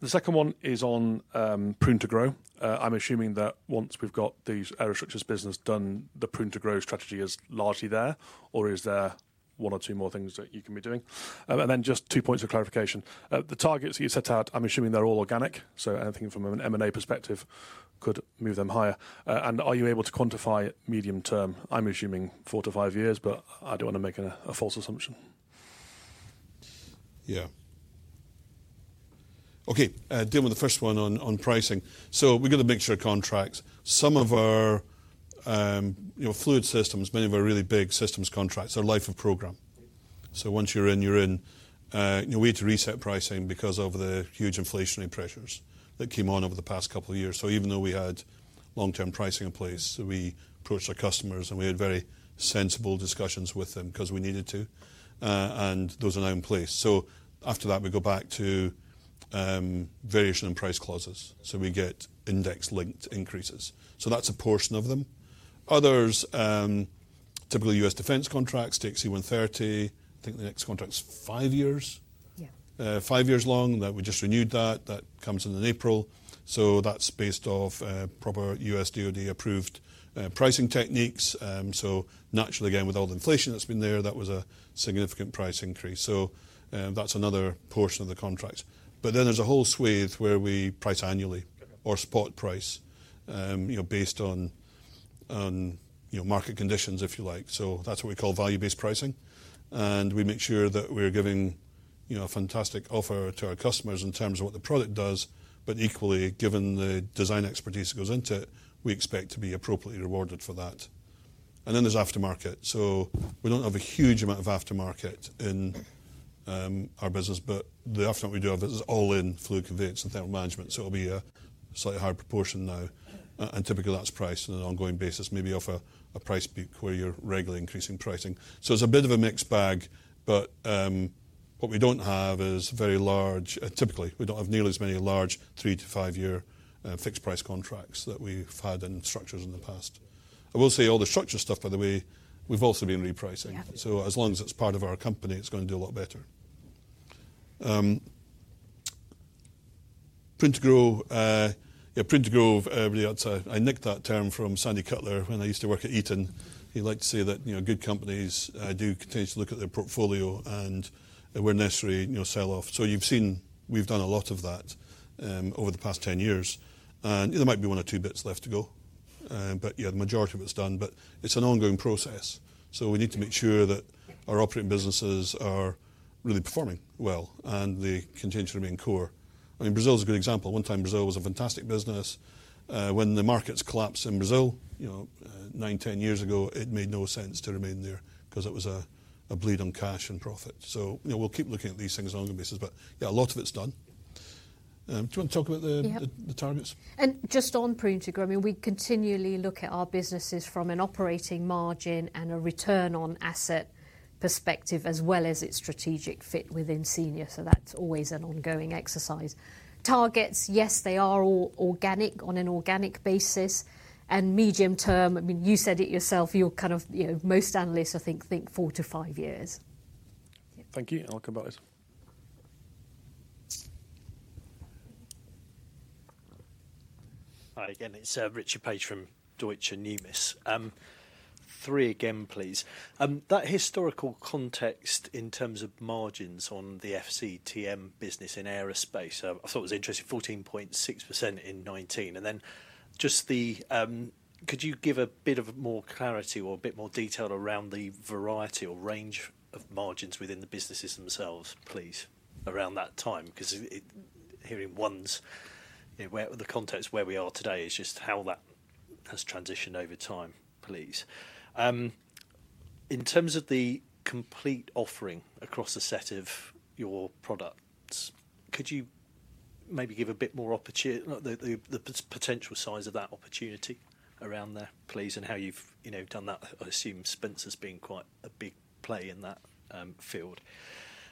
The second one is on prune to grow. I'm assuming that once we've got these aero structures business done, the prune to grow strategy is largely there, or is there one or two more things that you can be doing? Just two points of clarification. The targets that you set out, I'm assuming they're all organic, so anything from an M&A perspective could move them higher. Are you able to quantify medium term? I'm assuming four to five years, but I don't want to make a false assumption. Yeah. Okay, deal with the first one on pricing. We've got a mixture of contracts. Some of our fluid systems, many of our really big systems contracts, are life of program. Once you're in, you're in. We had to reset pricing because of the huge inflationary pressures that came on over the past couple of years. Even though we had long-term pricing in place, we approached our customers, and we had very sensible discussions with them because we needed to, and those are now in place. After that, we go back to variation in price clauses. We get index-linked increases. That is a portion of them. Others, typically U.S. defense contracts, C-130, I think the next contract is five years. Five years long, we just renewed that. That comes in April. That is based off proper U.S. DOD-approved pricing techniques. Naturally, again, with all the inflation that has been there, that was a significant price increase. That is another portion of the contracts. Then there is a whole swathe where we price annually or spot price based on market conditions, if you like. That is what we call value-based pricing. We make sure that we're giving a fantastic offer to our customers in terms of what the product does, but equally, given the design expertise that goes into it, we expect to be appropriately rewarded for that. There is aftermarket. We do not have a huge amount of aftermarket in our business, but the aftermarket we do have is all in fluid conveyance and thermal management. It will be a slightly higher proportion now. Typically, that is priced on an ongoing basis, maybe off a price peak where you're regularly increasing pricing. It is a bit of a mixed bag, but what we do not have is very large. Typically, we do not have nearly as many large three- to five-year fixed price contracts that we have had in structures in the past. I will say all the structure stuff, by the way, we have also been repricing. As long as it's part of our company, it's going to do a lot better. Prune to grow, I nicked that term from Sandy Cutler when I used to work at Eaton. He liked to say that good companies do continue to look at their portfolio and where necessary sell off. You've seen we've done a lot of that over the past 10 years. There might be one or two bits left to go, but the majority of it's done. It's an ongoing process. We need to make sure that our operating businesses are really performing well and they continue to remain core. I mean, Brazil is a good example. One time, Brazil was a fantastic business. When the markets collapsed in Brazil nine, ten years ago, it made no sense to remain there because it was a bleed on cash and profit. We'll keep looking at these things on a longer basis, but yeah, a lot of it's done. Do you want to talk about the targets? Just on prune to grow, I mean, we continually look at our businesses from an operating margin and a return on asset perspective, as well as its strategic fit within Senior. That's always an ongoing exercise. Targets, yes, they are all organic on an organic basis. Medium term, I mean, you said it yourself, you're kind of most analysts, I think, think four to five years. Thank you. I'll come back to this. Hi again. It's Richard Paige from Deutsche Numis. Three again, please. That historical context in terms of margins on the FCTM business in aerospace, I thought it was interesting. 14.6% in 2019. Could you give a bit more clarity or a bit more detail around the variety or range of margins within the businesses themselves, please, around that time? Because hearing ones, the context where we are today is just how that has transitioned over time, please. In terms of the complete offering across a set of your products, could you maybe give a bit more the potential size of that opportunity around there, please, and how you've done that? I assume Spencer's been quite a big play in that field.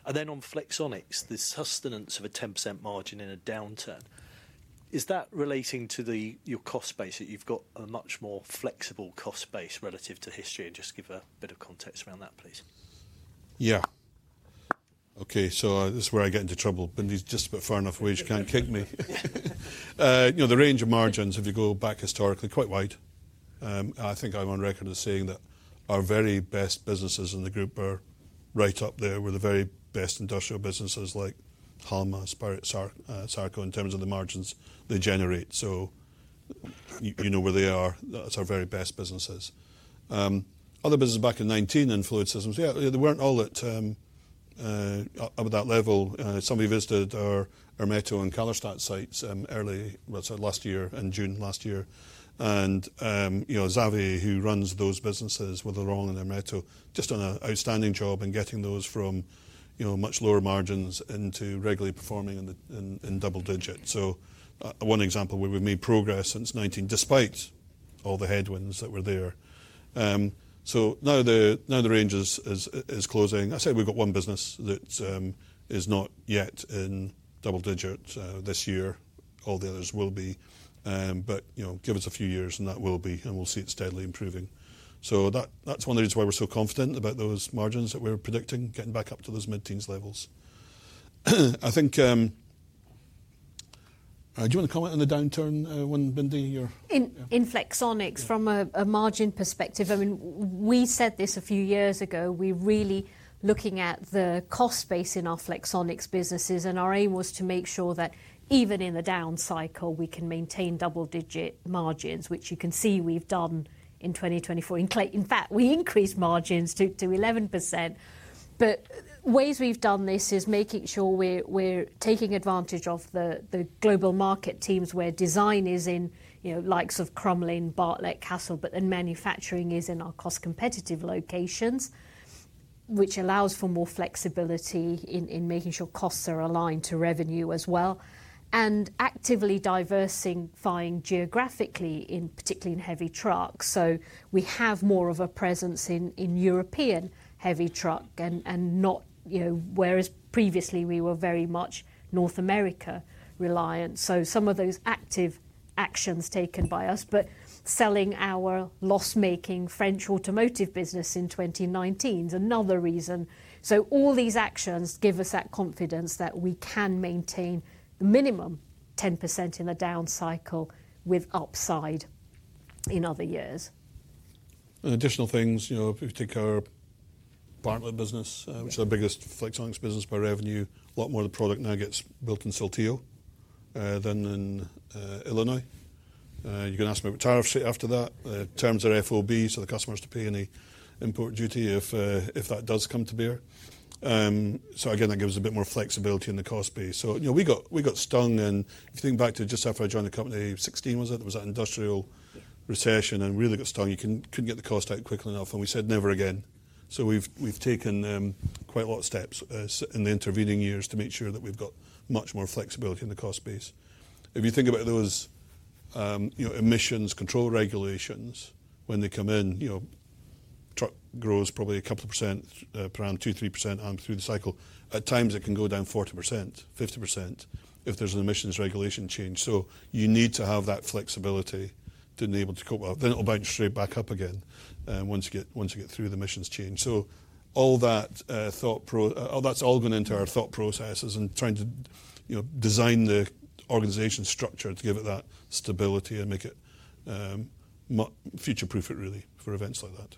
On flexonics, the sustenance of a 10% margin in a downturn, is that relating to your cost base, that you've got a much more flexible cost base relative to history? Just give a bit of context around that, please. Yeah. Okay, this is where I get into trouble. Bindi, just about far enough away so you can't kick me. The range of margins, if you go back historically, quite wide. I think I'm on record as saying that our very best businesses in the group are right up there. We're the very best industrial businesses like Halma, Spirax Sarco in terms of the margins they generate. You know where they are. That's our very best businesses. Other businesses back in 2019 in fluid systems, yeah, they weren't all at that level. Somebody visited our Ermeto and CALSTAT sites early last year, in June last year. Xavi, who runs those businesses with Daron and Ermeto, just done an outstanding job in getting those from much lower margins into regularly performing in double digits. One example where we've made progress since 2019, despite all the headwinds that were there. Now the range is closing. I said we've got one business that is not yet in double digits this year. All the others will be. Give us a few years and that will be, and we'll see it steadily improving. That is one of the reasons why we're so confident about those margins that we're predicting, getting back up to those mid-teens levels. I think do you want to comment on the downturn one, Bindi? In flexonics, from a margin perspective, I mean, we said this a few years ago. We're really looking at the cost base in our flexonics businesses, and our aim was to make sure that even in the down cycle, we can maintain double digit margins, which you can see we've done in 2024. In fact, we increased margins to 11%. Ways we've done this is making sure we're taking advantage of the global market teams where design is in the likes of Crumlin, Bartlett, Castle, but then manufacturing is in our cost competitive locations, which allows for more flexibility in making sure costs are aligned to revenue as well. We are actively diversifying geographically, particularly in heavy trucks. We have more of a presence in European heavy truck and not whereas previously we were very much North America reliant. Some of those are active actions taken by us, but selling our loss-making French automotive business in 2019 is another reason. All these actions give us that confidence that we can maintain minimum 10% in the down cycle with upside in other years. Additional things, if you take our Bartlett business, which is our biggest flexonics business by revenue, a lot more of the product now gets built in Silao than in Illinois. You can ask me about tariffs after that. Terms are FOB, so the customer has to pay any import duty if that does come to bear. That gives us a bit more flexibility in the cost base. We got stung, and if you think back to just after I joined the company, 2016 was it? It was that industrial recession, and we really got stung. You could not get the cost out quickly enough, and we said, "Never again." We have taken quite a lot of steps in the intervening years to make sure that we have much more flexibility in the cost base. If you think about those emissions control regulations, when they come in, truck grows probably a couple of percent, perhaps 2%-3%, and through the cycle, at times it can go down 40%-50% if there's an emissions regulation change. You need to have that flexibility to enable to cope with that. It will bounce straight back up again once you get through the emissions change. All that's all going into our thought processes and trying to design the organization structure to give it that stability and make it future-proof, really, for events like that.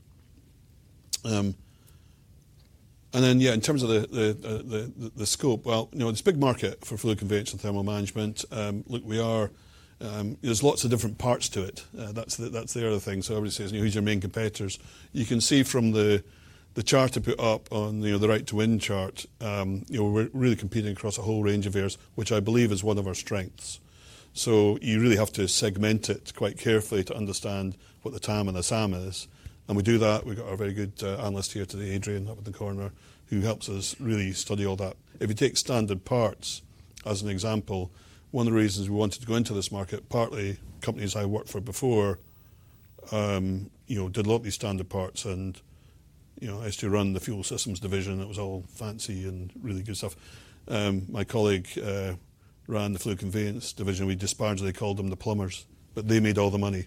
Yeah, in terms of the scope, it's a big market for fluid conveyance and thermal management. Look, there's lots of different parts to it. That's the other thing. Obviously, who's your main competitors? You can see from the chart I put up on the right to win chart, we're really competing across a whole range of areas, which I believe is one of our strengths. You really have to segment it quite carefully to understand what the TAM and the SAM is. We do that. We've got our very good analyst here today, Adrian up in the corner, who helps us really study all that. If you take standard parts as an example, one of the reasons we wanted to go into this market, partly companies I worked for before did a lot of these standard parts and I used to run the fuel systems division. It was all fancy and really good stuff. My colleague ran the fluid conveyance division. We disparagedly called them the plumbers, but they made all the money.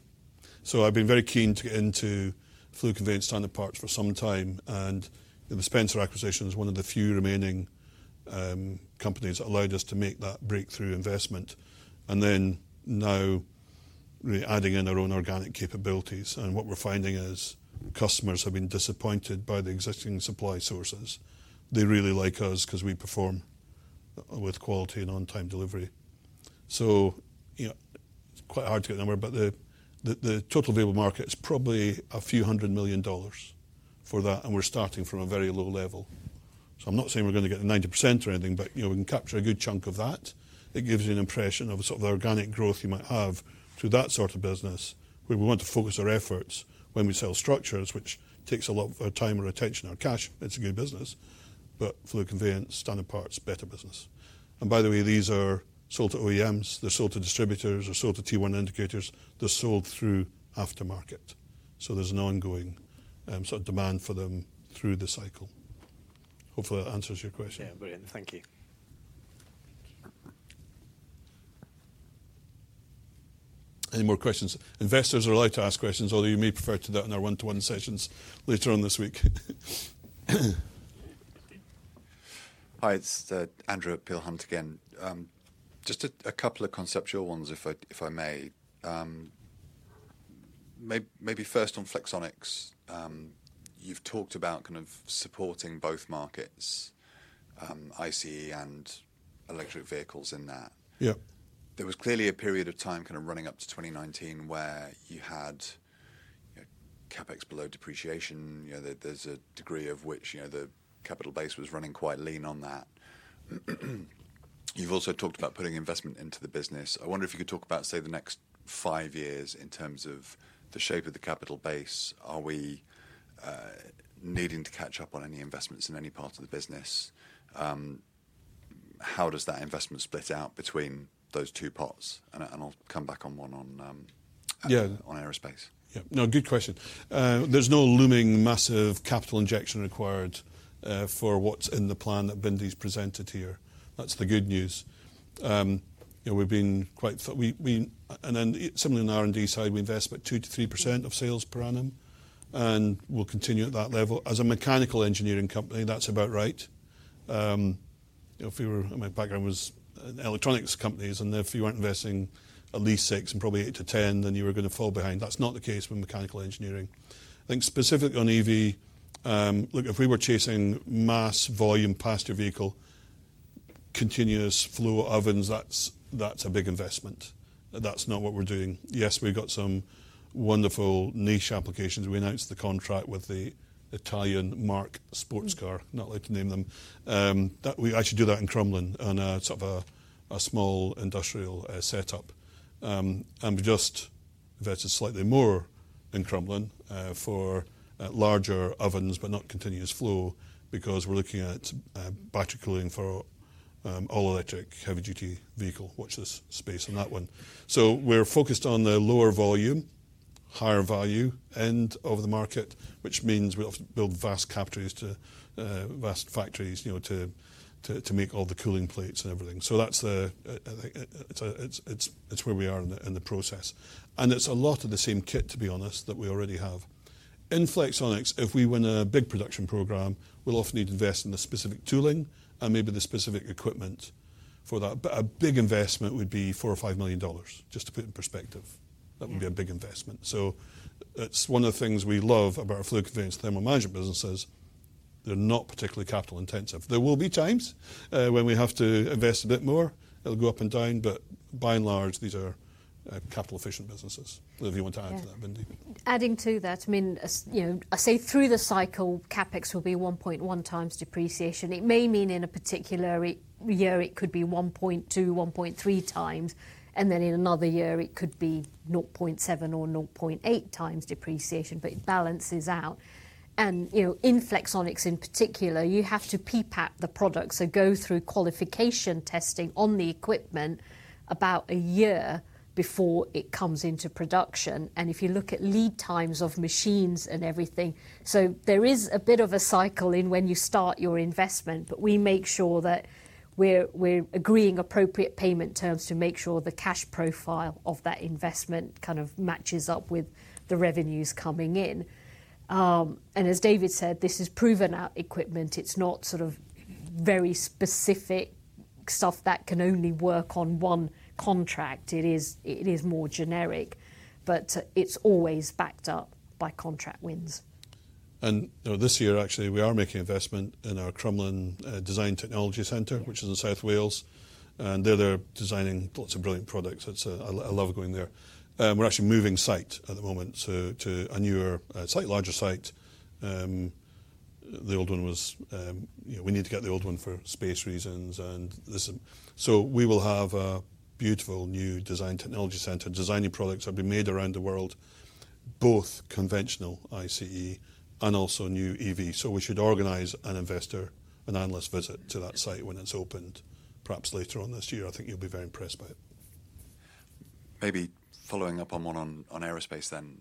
I've been very keen to get into fluid conveyance standard parts for some time. The Spencer acquisition is one of the few remaining companies that allowed us to make that breakthrough investment. Now we're adding in our own organic capabilities. What we're finding is customers have been disappointed by the existing supply sources. They really like us because we perform with quality and on-time delivery. It's quite hard to get a number, but the total available market is probably a few hundred million dollars for that, and we're starting from a very low level. I'm not saying we're going to get 90% or anything, but we can capture a good chunk of that. It gives you an impression of sort of the organic growth you might have through that sort of business where we want to focus our efforts when we sell structures, which takes a lot of our time or attention, our cash. It's a good business, but fluid conveyance, standard parts, better business. By the way, these are sold to OEMs. They're sold to distributors. They're sold to T1 indicators. They're sold through aftermarket. There's an ongoing sort of demand for them through the cycle. Hopefully, that answers your question. Yeah, brilliant. Thank you. Any more questions? Investors are allowed to ask questions, although you may prefer to do that in our one-to-one sessions later on this week. Hi, it's Andrew, Peel Hunt again. Just a couple of conceptual ones, if I may. Maybe first on flexonics. You've talked about kind of supporting both markets, ICE and electric vehicles in that. There was clearly a period of time kind of running up to 2019 where you had CapEx below depreciation. There's a degree of which the capital base was running quite lean on that. You've also talked about putting investment into the business. I wonder if you could talk about, say, the next five years in terms of the shape of the capital base. Are we needing to catch up on any investments in any part of the business? How does that investment split out between those two parts? I'll come back on one on aerospace. Yeah. No, good question. There's no looming massive capital injection required for what's in the plan that Bindi's presented here. That's the good news. We've been quite thoughtful. Similarly, on the R&D side, we invest about 2%-3% of sales per annum, and we'll continue at that level. As a mechanical engineering company, that's about right. My background was electronics companies, and if you were not investing at least 6% and probably 8%-10%, then you were going to fall behind. That's not the case with mechanical engineering. I think specifically on EV, look, if we were chasing mass volume passenger vehicle, continuous flow ovens, that's a big investment. That's not what we're doing. Yes, we've got some wonderful niche applications. We announced the contract with the Italian Mark Sports Car, not allowed to name them. I should do that in Crumlin, on sort of a small industrial setup. We just invested slightly more in Crumlin for larger ovens, but not continuous flow, because we're looking at battery cooling for all-electric heavy-duty vehicle, which is space on that one. We're focused on the lower volume, higher value end of the market, which means we'll have to build vast factories to make all the cooling plates and everything. That's where we are in the process. It's a lot of the same kit, to be honest, that we already have. In flexonics, if we win a big production program, we'll often need to invest in the specific tooling and maybe the specific equipment for that. A big investment would be $4 million-$5 million, just to put it in perspective. That would be a big investment. It's one of the things we love about our fluid conveyance thermal management businesses. They're not particularly capital intensive. There will be times when we have to invest a bit more. It'll go up and down, but by and large, these are capital-efficient businesses. If you want to add to that, Bindi. Adding to that, I mean, I say through the cycle, CapEx will be 1.1x depreciation. It may mean in a particular year, it could be 1.2x, 1.3x. In another year, it could be 0.7x or 0.8x depreciation, but it balances out. In flexonics in particular, you have to PPAP the product, so go through qualification testing on the equipment about a year before it comes into production. If you look at lead times of machines and everything, there is a bit of a cycle in when you start your investment, but we make sure that we're agreeing appropriate payment terms to make sure the cash profile of that investment kind of matches up with the revenues coming in. As David said, this is proven out equipment. It's not sort of very specific stuff that can only work on one contract. It is more generic, but it's always backed up by contract wins. This year, actually, we are making investment in our Crumlin Design Technology Centre, which is in South Wales. They're designing lots of brilliant products. I love going there. We're actually moving site at the moment to a newer, slightly larger site. The old one was, we need to get the old one for space reasons. We will have a beautiful new design technology center. Designing products that will be made around the world, both conventional ICE and also new EV. We should organize an investor and analyst visit to that site when it is opened, perhaps later on this year. I think you will be very impressed by it. Maybe following up on one on aerospace then,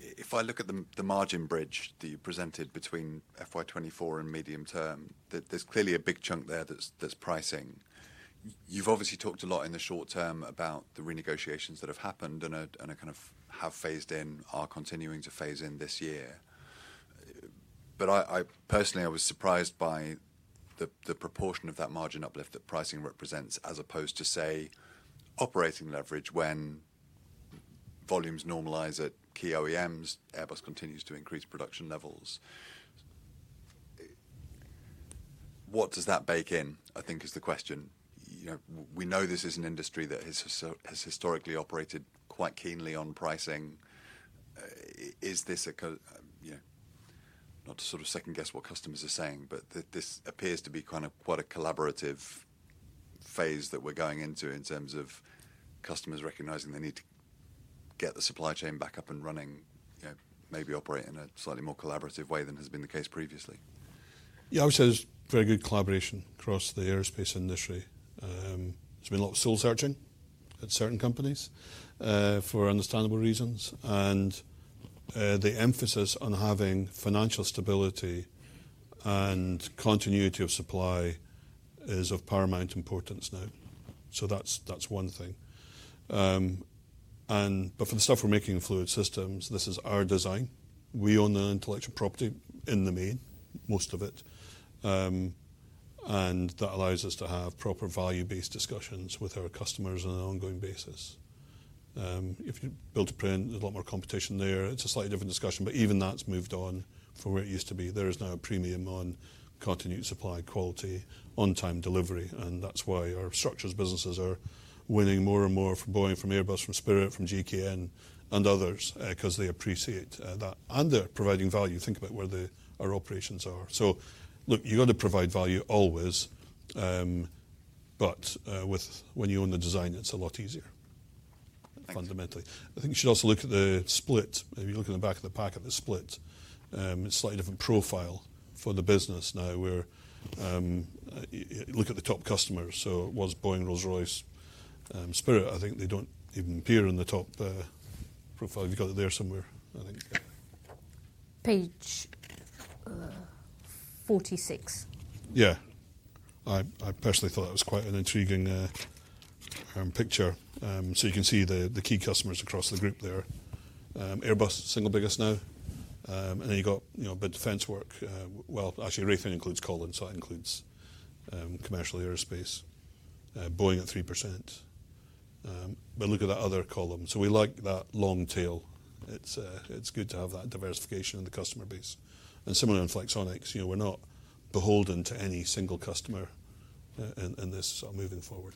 if I look at the margin bridge that you presented between FY24 and medium term, there is clearly a big chunk there that is pricing. You have obviously talked a lot in the short term about the renegotiations that have happened and kind of have phased in, are continuing to phase in this year. Personally, I was surprised by the proportion of that margin uplift that pricing represents as opposed to, say, operating leverage when volumes normalize at key OEMs, Airbus continues to increase production levels. What does that bake in, I think, is the question. We know this is an industry that has historically operated quite keenly on pricing. Is this a not to sort of second guess what customers are saying, but this appears to be kind of quite a collaborative phase that we're going into in terms of customers recognizing they need to get the supply chain back up and running, maybe operate in a slightly more collaborative way than has been the case previously? Yeah, I would say there's very good collaboration across the aerospace industry. There's been a lot of soul searching at certain companies for understandable reasons. The emphasis on having financial stability and continuity of supply is of paramount importance now. That's one thing. For the stuff we're making in fluid systems, this is our design. We own the intellectual property in the main, most of it. That allows us to have proper value-based discussions with our customers on an ongoing basis. If you build to print, there is a lot more competition there. It is a slightly different discussion, but even that has moved on from where it used to be. There is now a premium on continued supply quality, on-time delivery. That is why our structures businesses are winning more and more from Boeing, from Airbus, from Spirit, from GKN, and others, because they appreciate that. They are providing value. Think about where our operations are. Look, you have to provide value always, but when you own the design, it is a lot easier, fundamentally. I think you should also look at the split. If you look in the back of the packet, the split, it is a slightly different profile for the business now. Look at the top customers. It was Boeing, Rolls-Royce, Spirit. I think they do not even appear in the top profile. You have it there somewhere, I think. Page 46. Yeah. I personally thought that was quite an intriguing picture. You can see the key customers across the group there. Airbus, single biggest now. Then you have a bit of defense work. Actually, Raytheon includes Collins, so that includes commercial aerospace. Boeing at 3%. Look at that other column. We like that long tail. It is good to have that diversification in the customer base. Similar in flexonics, we are not beholden to any single customer in this moving forward.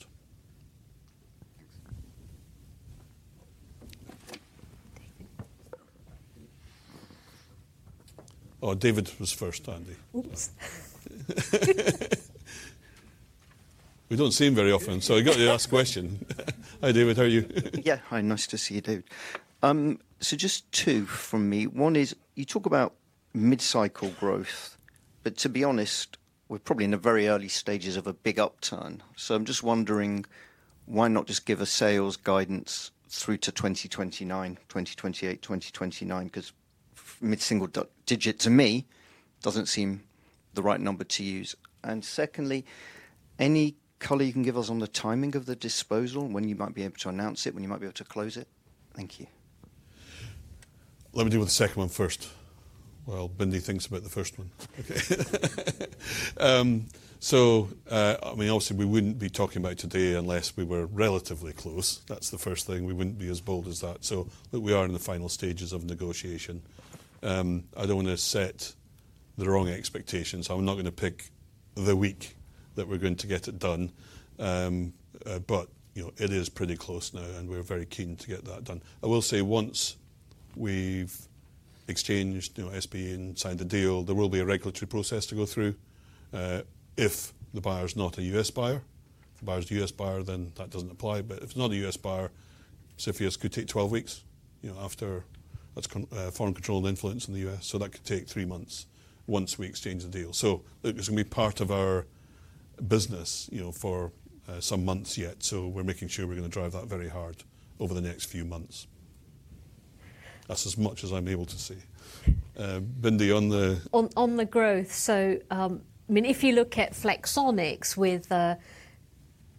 Oh, David was first, Andy. Oops. We do not see him very often, so I got to ask a question. Hi, David. How are you? Yeah, hi. Nice to see you, David. Just two from me. One is you talk about mid-cycle growth, but to be honest, we're probably in the very early stages of a big upturn. I'm just wondering, why not just give a sales guidance through to 2029, 2028, 2029? Because mid-single digit to me doesn't seem the right number to use. Secondly, any color you can give us on the timing of the disposal, when you might be able to announce it, when you might be able to close it? Thank you. Let me deal with the second one first. While Bindi thinks about the first one. I mean, obviously, we wouldn't be talking about today unless we were relatively close. That's the first thing. We wouldn't be as bold as that. Look, we are in the final stages of negotiation. I don't want to set the wrong expectations. I'm not going to pick the week that we're going to get it done. It is pretty close now, and we're very keen to get that done. I will say once we've exchanged SPA and signed a deal, there will be a regulatory process to go through. If the buyer is not a U.S. buyer, if the buyer is a U.S. buyer, then that does not apply. If it is not a U.S. buyer, CFIUS could take 12 weeks after that is foreign control and influence in the U.S. That could take three months once we exchange the deal. It is going to be part of our business for some months yet. We are making sure we are going to drive that very hard over the next few months. That is as much as I'm able to say. Bindi, on the. On the growth, I mean, if you look at flexonics with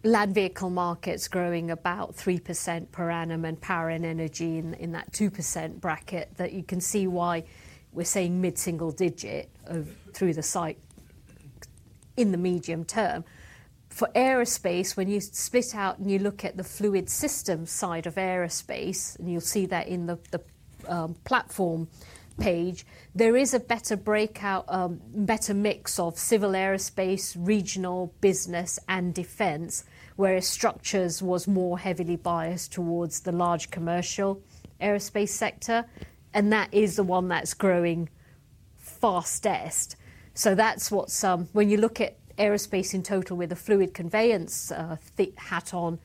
land vehicle markets growing about 3% per annum and power and energy in that 2% bracket, you can see why we're saying mid-single digit through the site in the medium term. For aerospace, when you split out and you look at the fluid system side of aerospace, and you'll see that in the platform page, there is a better breakout, better mix of civil aerospace, regional, business, and defense, whereas structures was more heavily biased towards the large commercial aerospace sector. That is the one that's growing fastest. That is what when you look at aerospace in total with a fluid conveyance hat on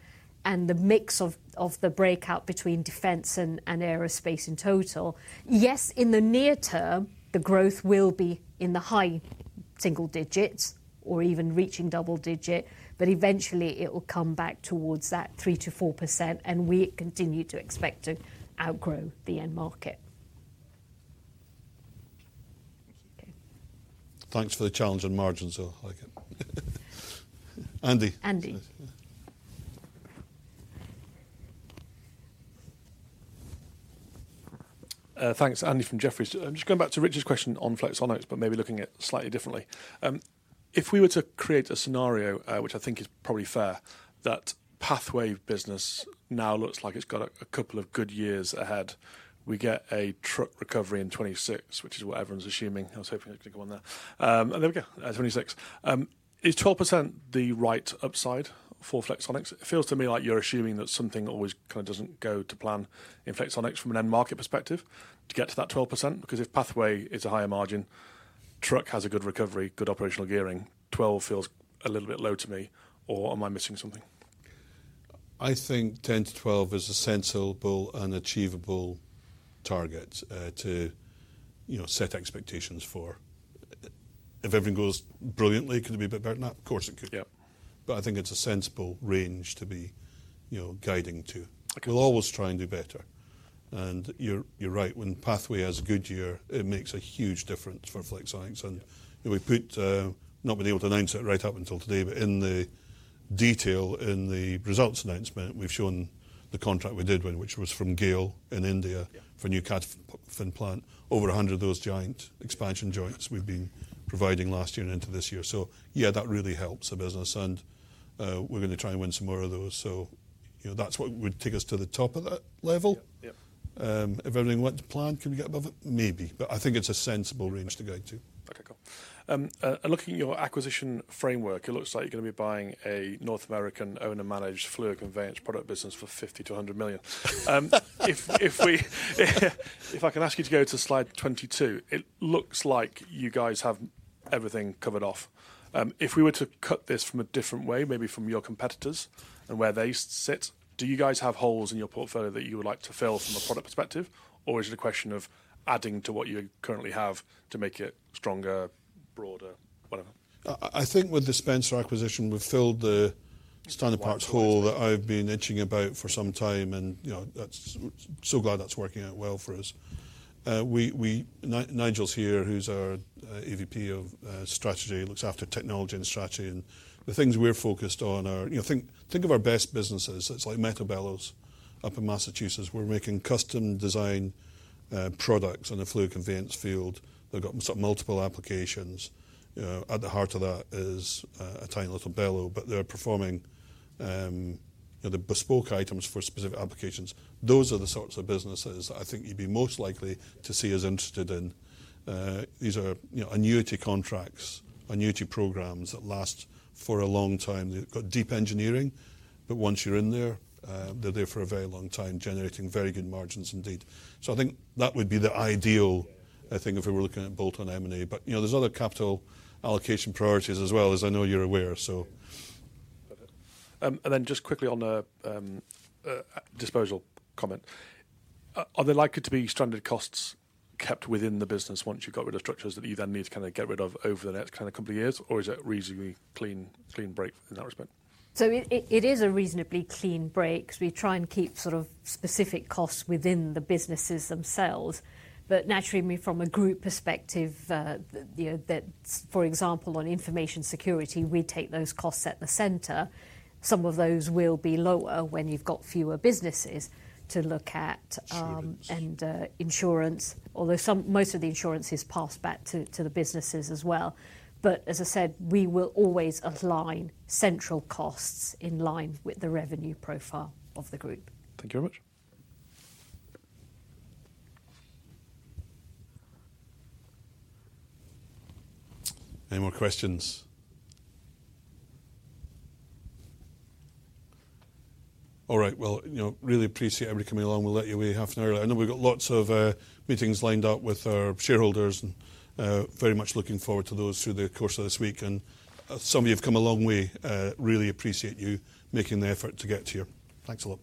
and the mix of the breakout between defense and aerospace in total, yes, in the near term, the growth will be in the high single digits or even reaching double digit, but eventually, it will come back towards that 3%-4%. We continue to expect to outgrow the end market. Thanks for the challenge on margins, though. I like it. Andy. Andy. Thanks, Andy from Jefferies. I am just going back to Richard's question on flexonics, but maybe looking at it slightly differently. If we were to create a scenario, which I think is probably fair, that Pathway business now looks like it has got a couple of good years ahead, we get a truck recovery in 2026, which is what everyone's assuming. I was hoping it was going to go on there. There we go, 2026. Is 12% the right upside for flexonics? It feels to me like you're assuming that something always kind of does not go to plan in flexonics from an end market perspective to get to that 12%. Because if Pathway is a higher margin, truck has a good recovery, good operational gearing, 12% feels a little bit low to me. Or am I missing something? I think 10%-12% is a sensible and achievable target to set expectations for. If everything goes brilliantly, could it be a bit better than that? Of course it could. I think it is a sensible range to be guiding to. We will always try and do better. You are right. When Pathway has a good year, it makes a huge difference for flexonics. We've not been able to announce it right up until today, but in the detail in the results announcement, we've shown the contract we did win, which was from GAIL in India for a new CATOFIN plant. Over 100 of those giant expansion joints we've been providing last year and into this year. That really helps the business. We're going to try and win some more of those. That's what would take us to the top of that level. If everything went to plan, could we get above it? Maybe. I think it's a sensible range to guide to. Okay, cool. Looking at your acquisition framework, it looks like you're going to be buying a North American owner-managed fluid conveyance product business for 50 million- 100 million. If I can ask you to go to slide 22, it looks like you guys have everything covered off. If we were to cut this from a different way, maybe from your competitors and where they sit, do you guys have holes in your portfolio that you would like to fill from a product perspective? Or is it a question of adding to what you currently have to make it stronger, broader, whatever? I think with the Spencer acquisition, we've filled the Steiner-Parks hole that I've been itching about for some time. I'm so glad that's working out well for us. Nigel's here, who's our EVP of Strategy, looks after technology and strategy. The things we're focused on are think of our best businesses. It's like Metabellos up in Massachusetts. We're making custom-design products on the fluid conveyance field. They've got multiple applications. At the heart of that is a tiny little bellow, but they're performing the bespoke items for specific applications. Those are the sorts of businesses that I think you'd be most likely to see us interested in. These are annuity contracts, annuity programs that last for a long time. They've got deep engineering, but once you're in there, they're there for a very long time, generating very good margins indeed. I think that would be the ideal, I think, if we were looking at bolt-on M&A. There are other capital allocation priorities as well, as I know you're aware. Just quickly on the disposal comment, are there likely to be stranded costs kept within the business once you've got rid of structures that you then need to kind of get rid of over the next kind of couple of years? Is it a reasonably clean break in that respect? It is a reasonably clean break because we try and keep sort of specific costs within the businesses themselves. Naturally, from a group perspective, for example, on information security, we take those costs at the center. Some of those will be lower when you've got fewer businesses to look at and insurance, although most of the insurance is passed back to the businesses as well. As I said, we will always align central costs in line with the revenue profile of the group. Thank you very much. Any more questions? All right. I really appreciate everybody coming along. We'll let you away half an hour. I know we've got lots of meetings lined up with our shareholders and very much looking forward to those through the course of this week. Some of you have come a long way. Really appreciate you making the effort to get to you. Thanks a lot.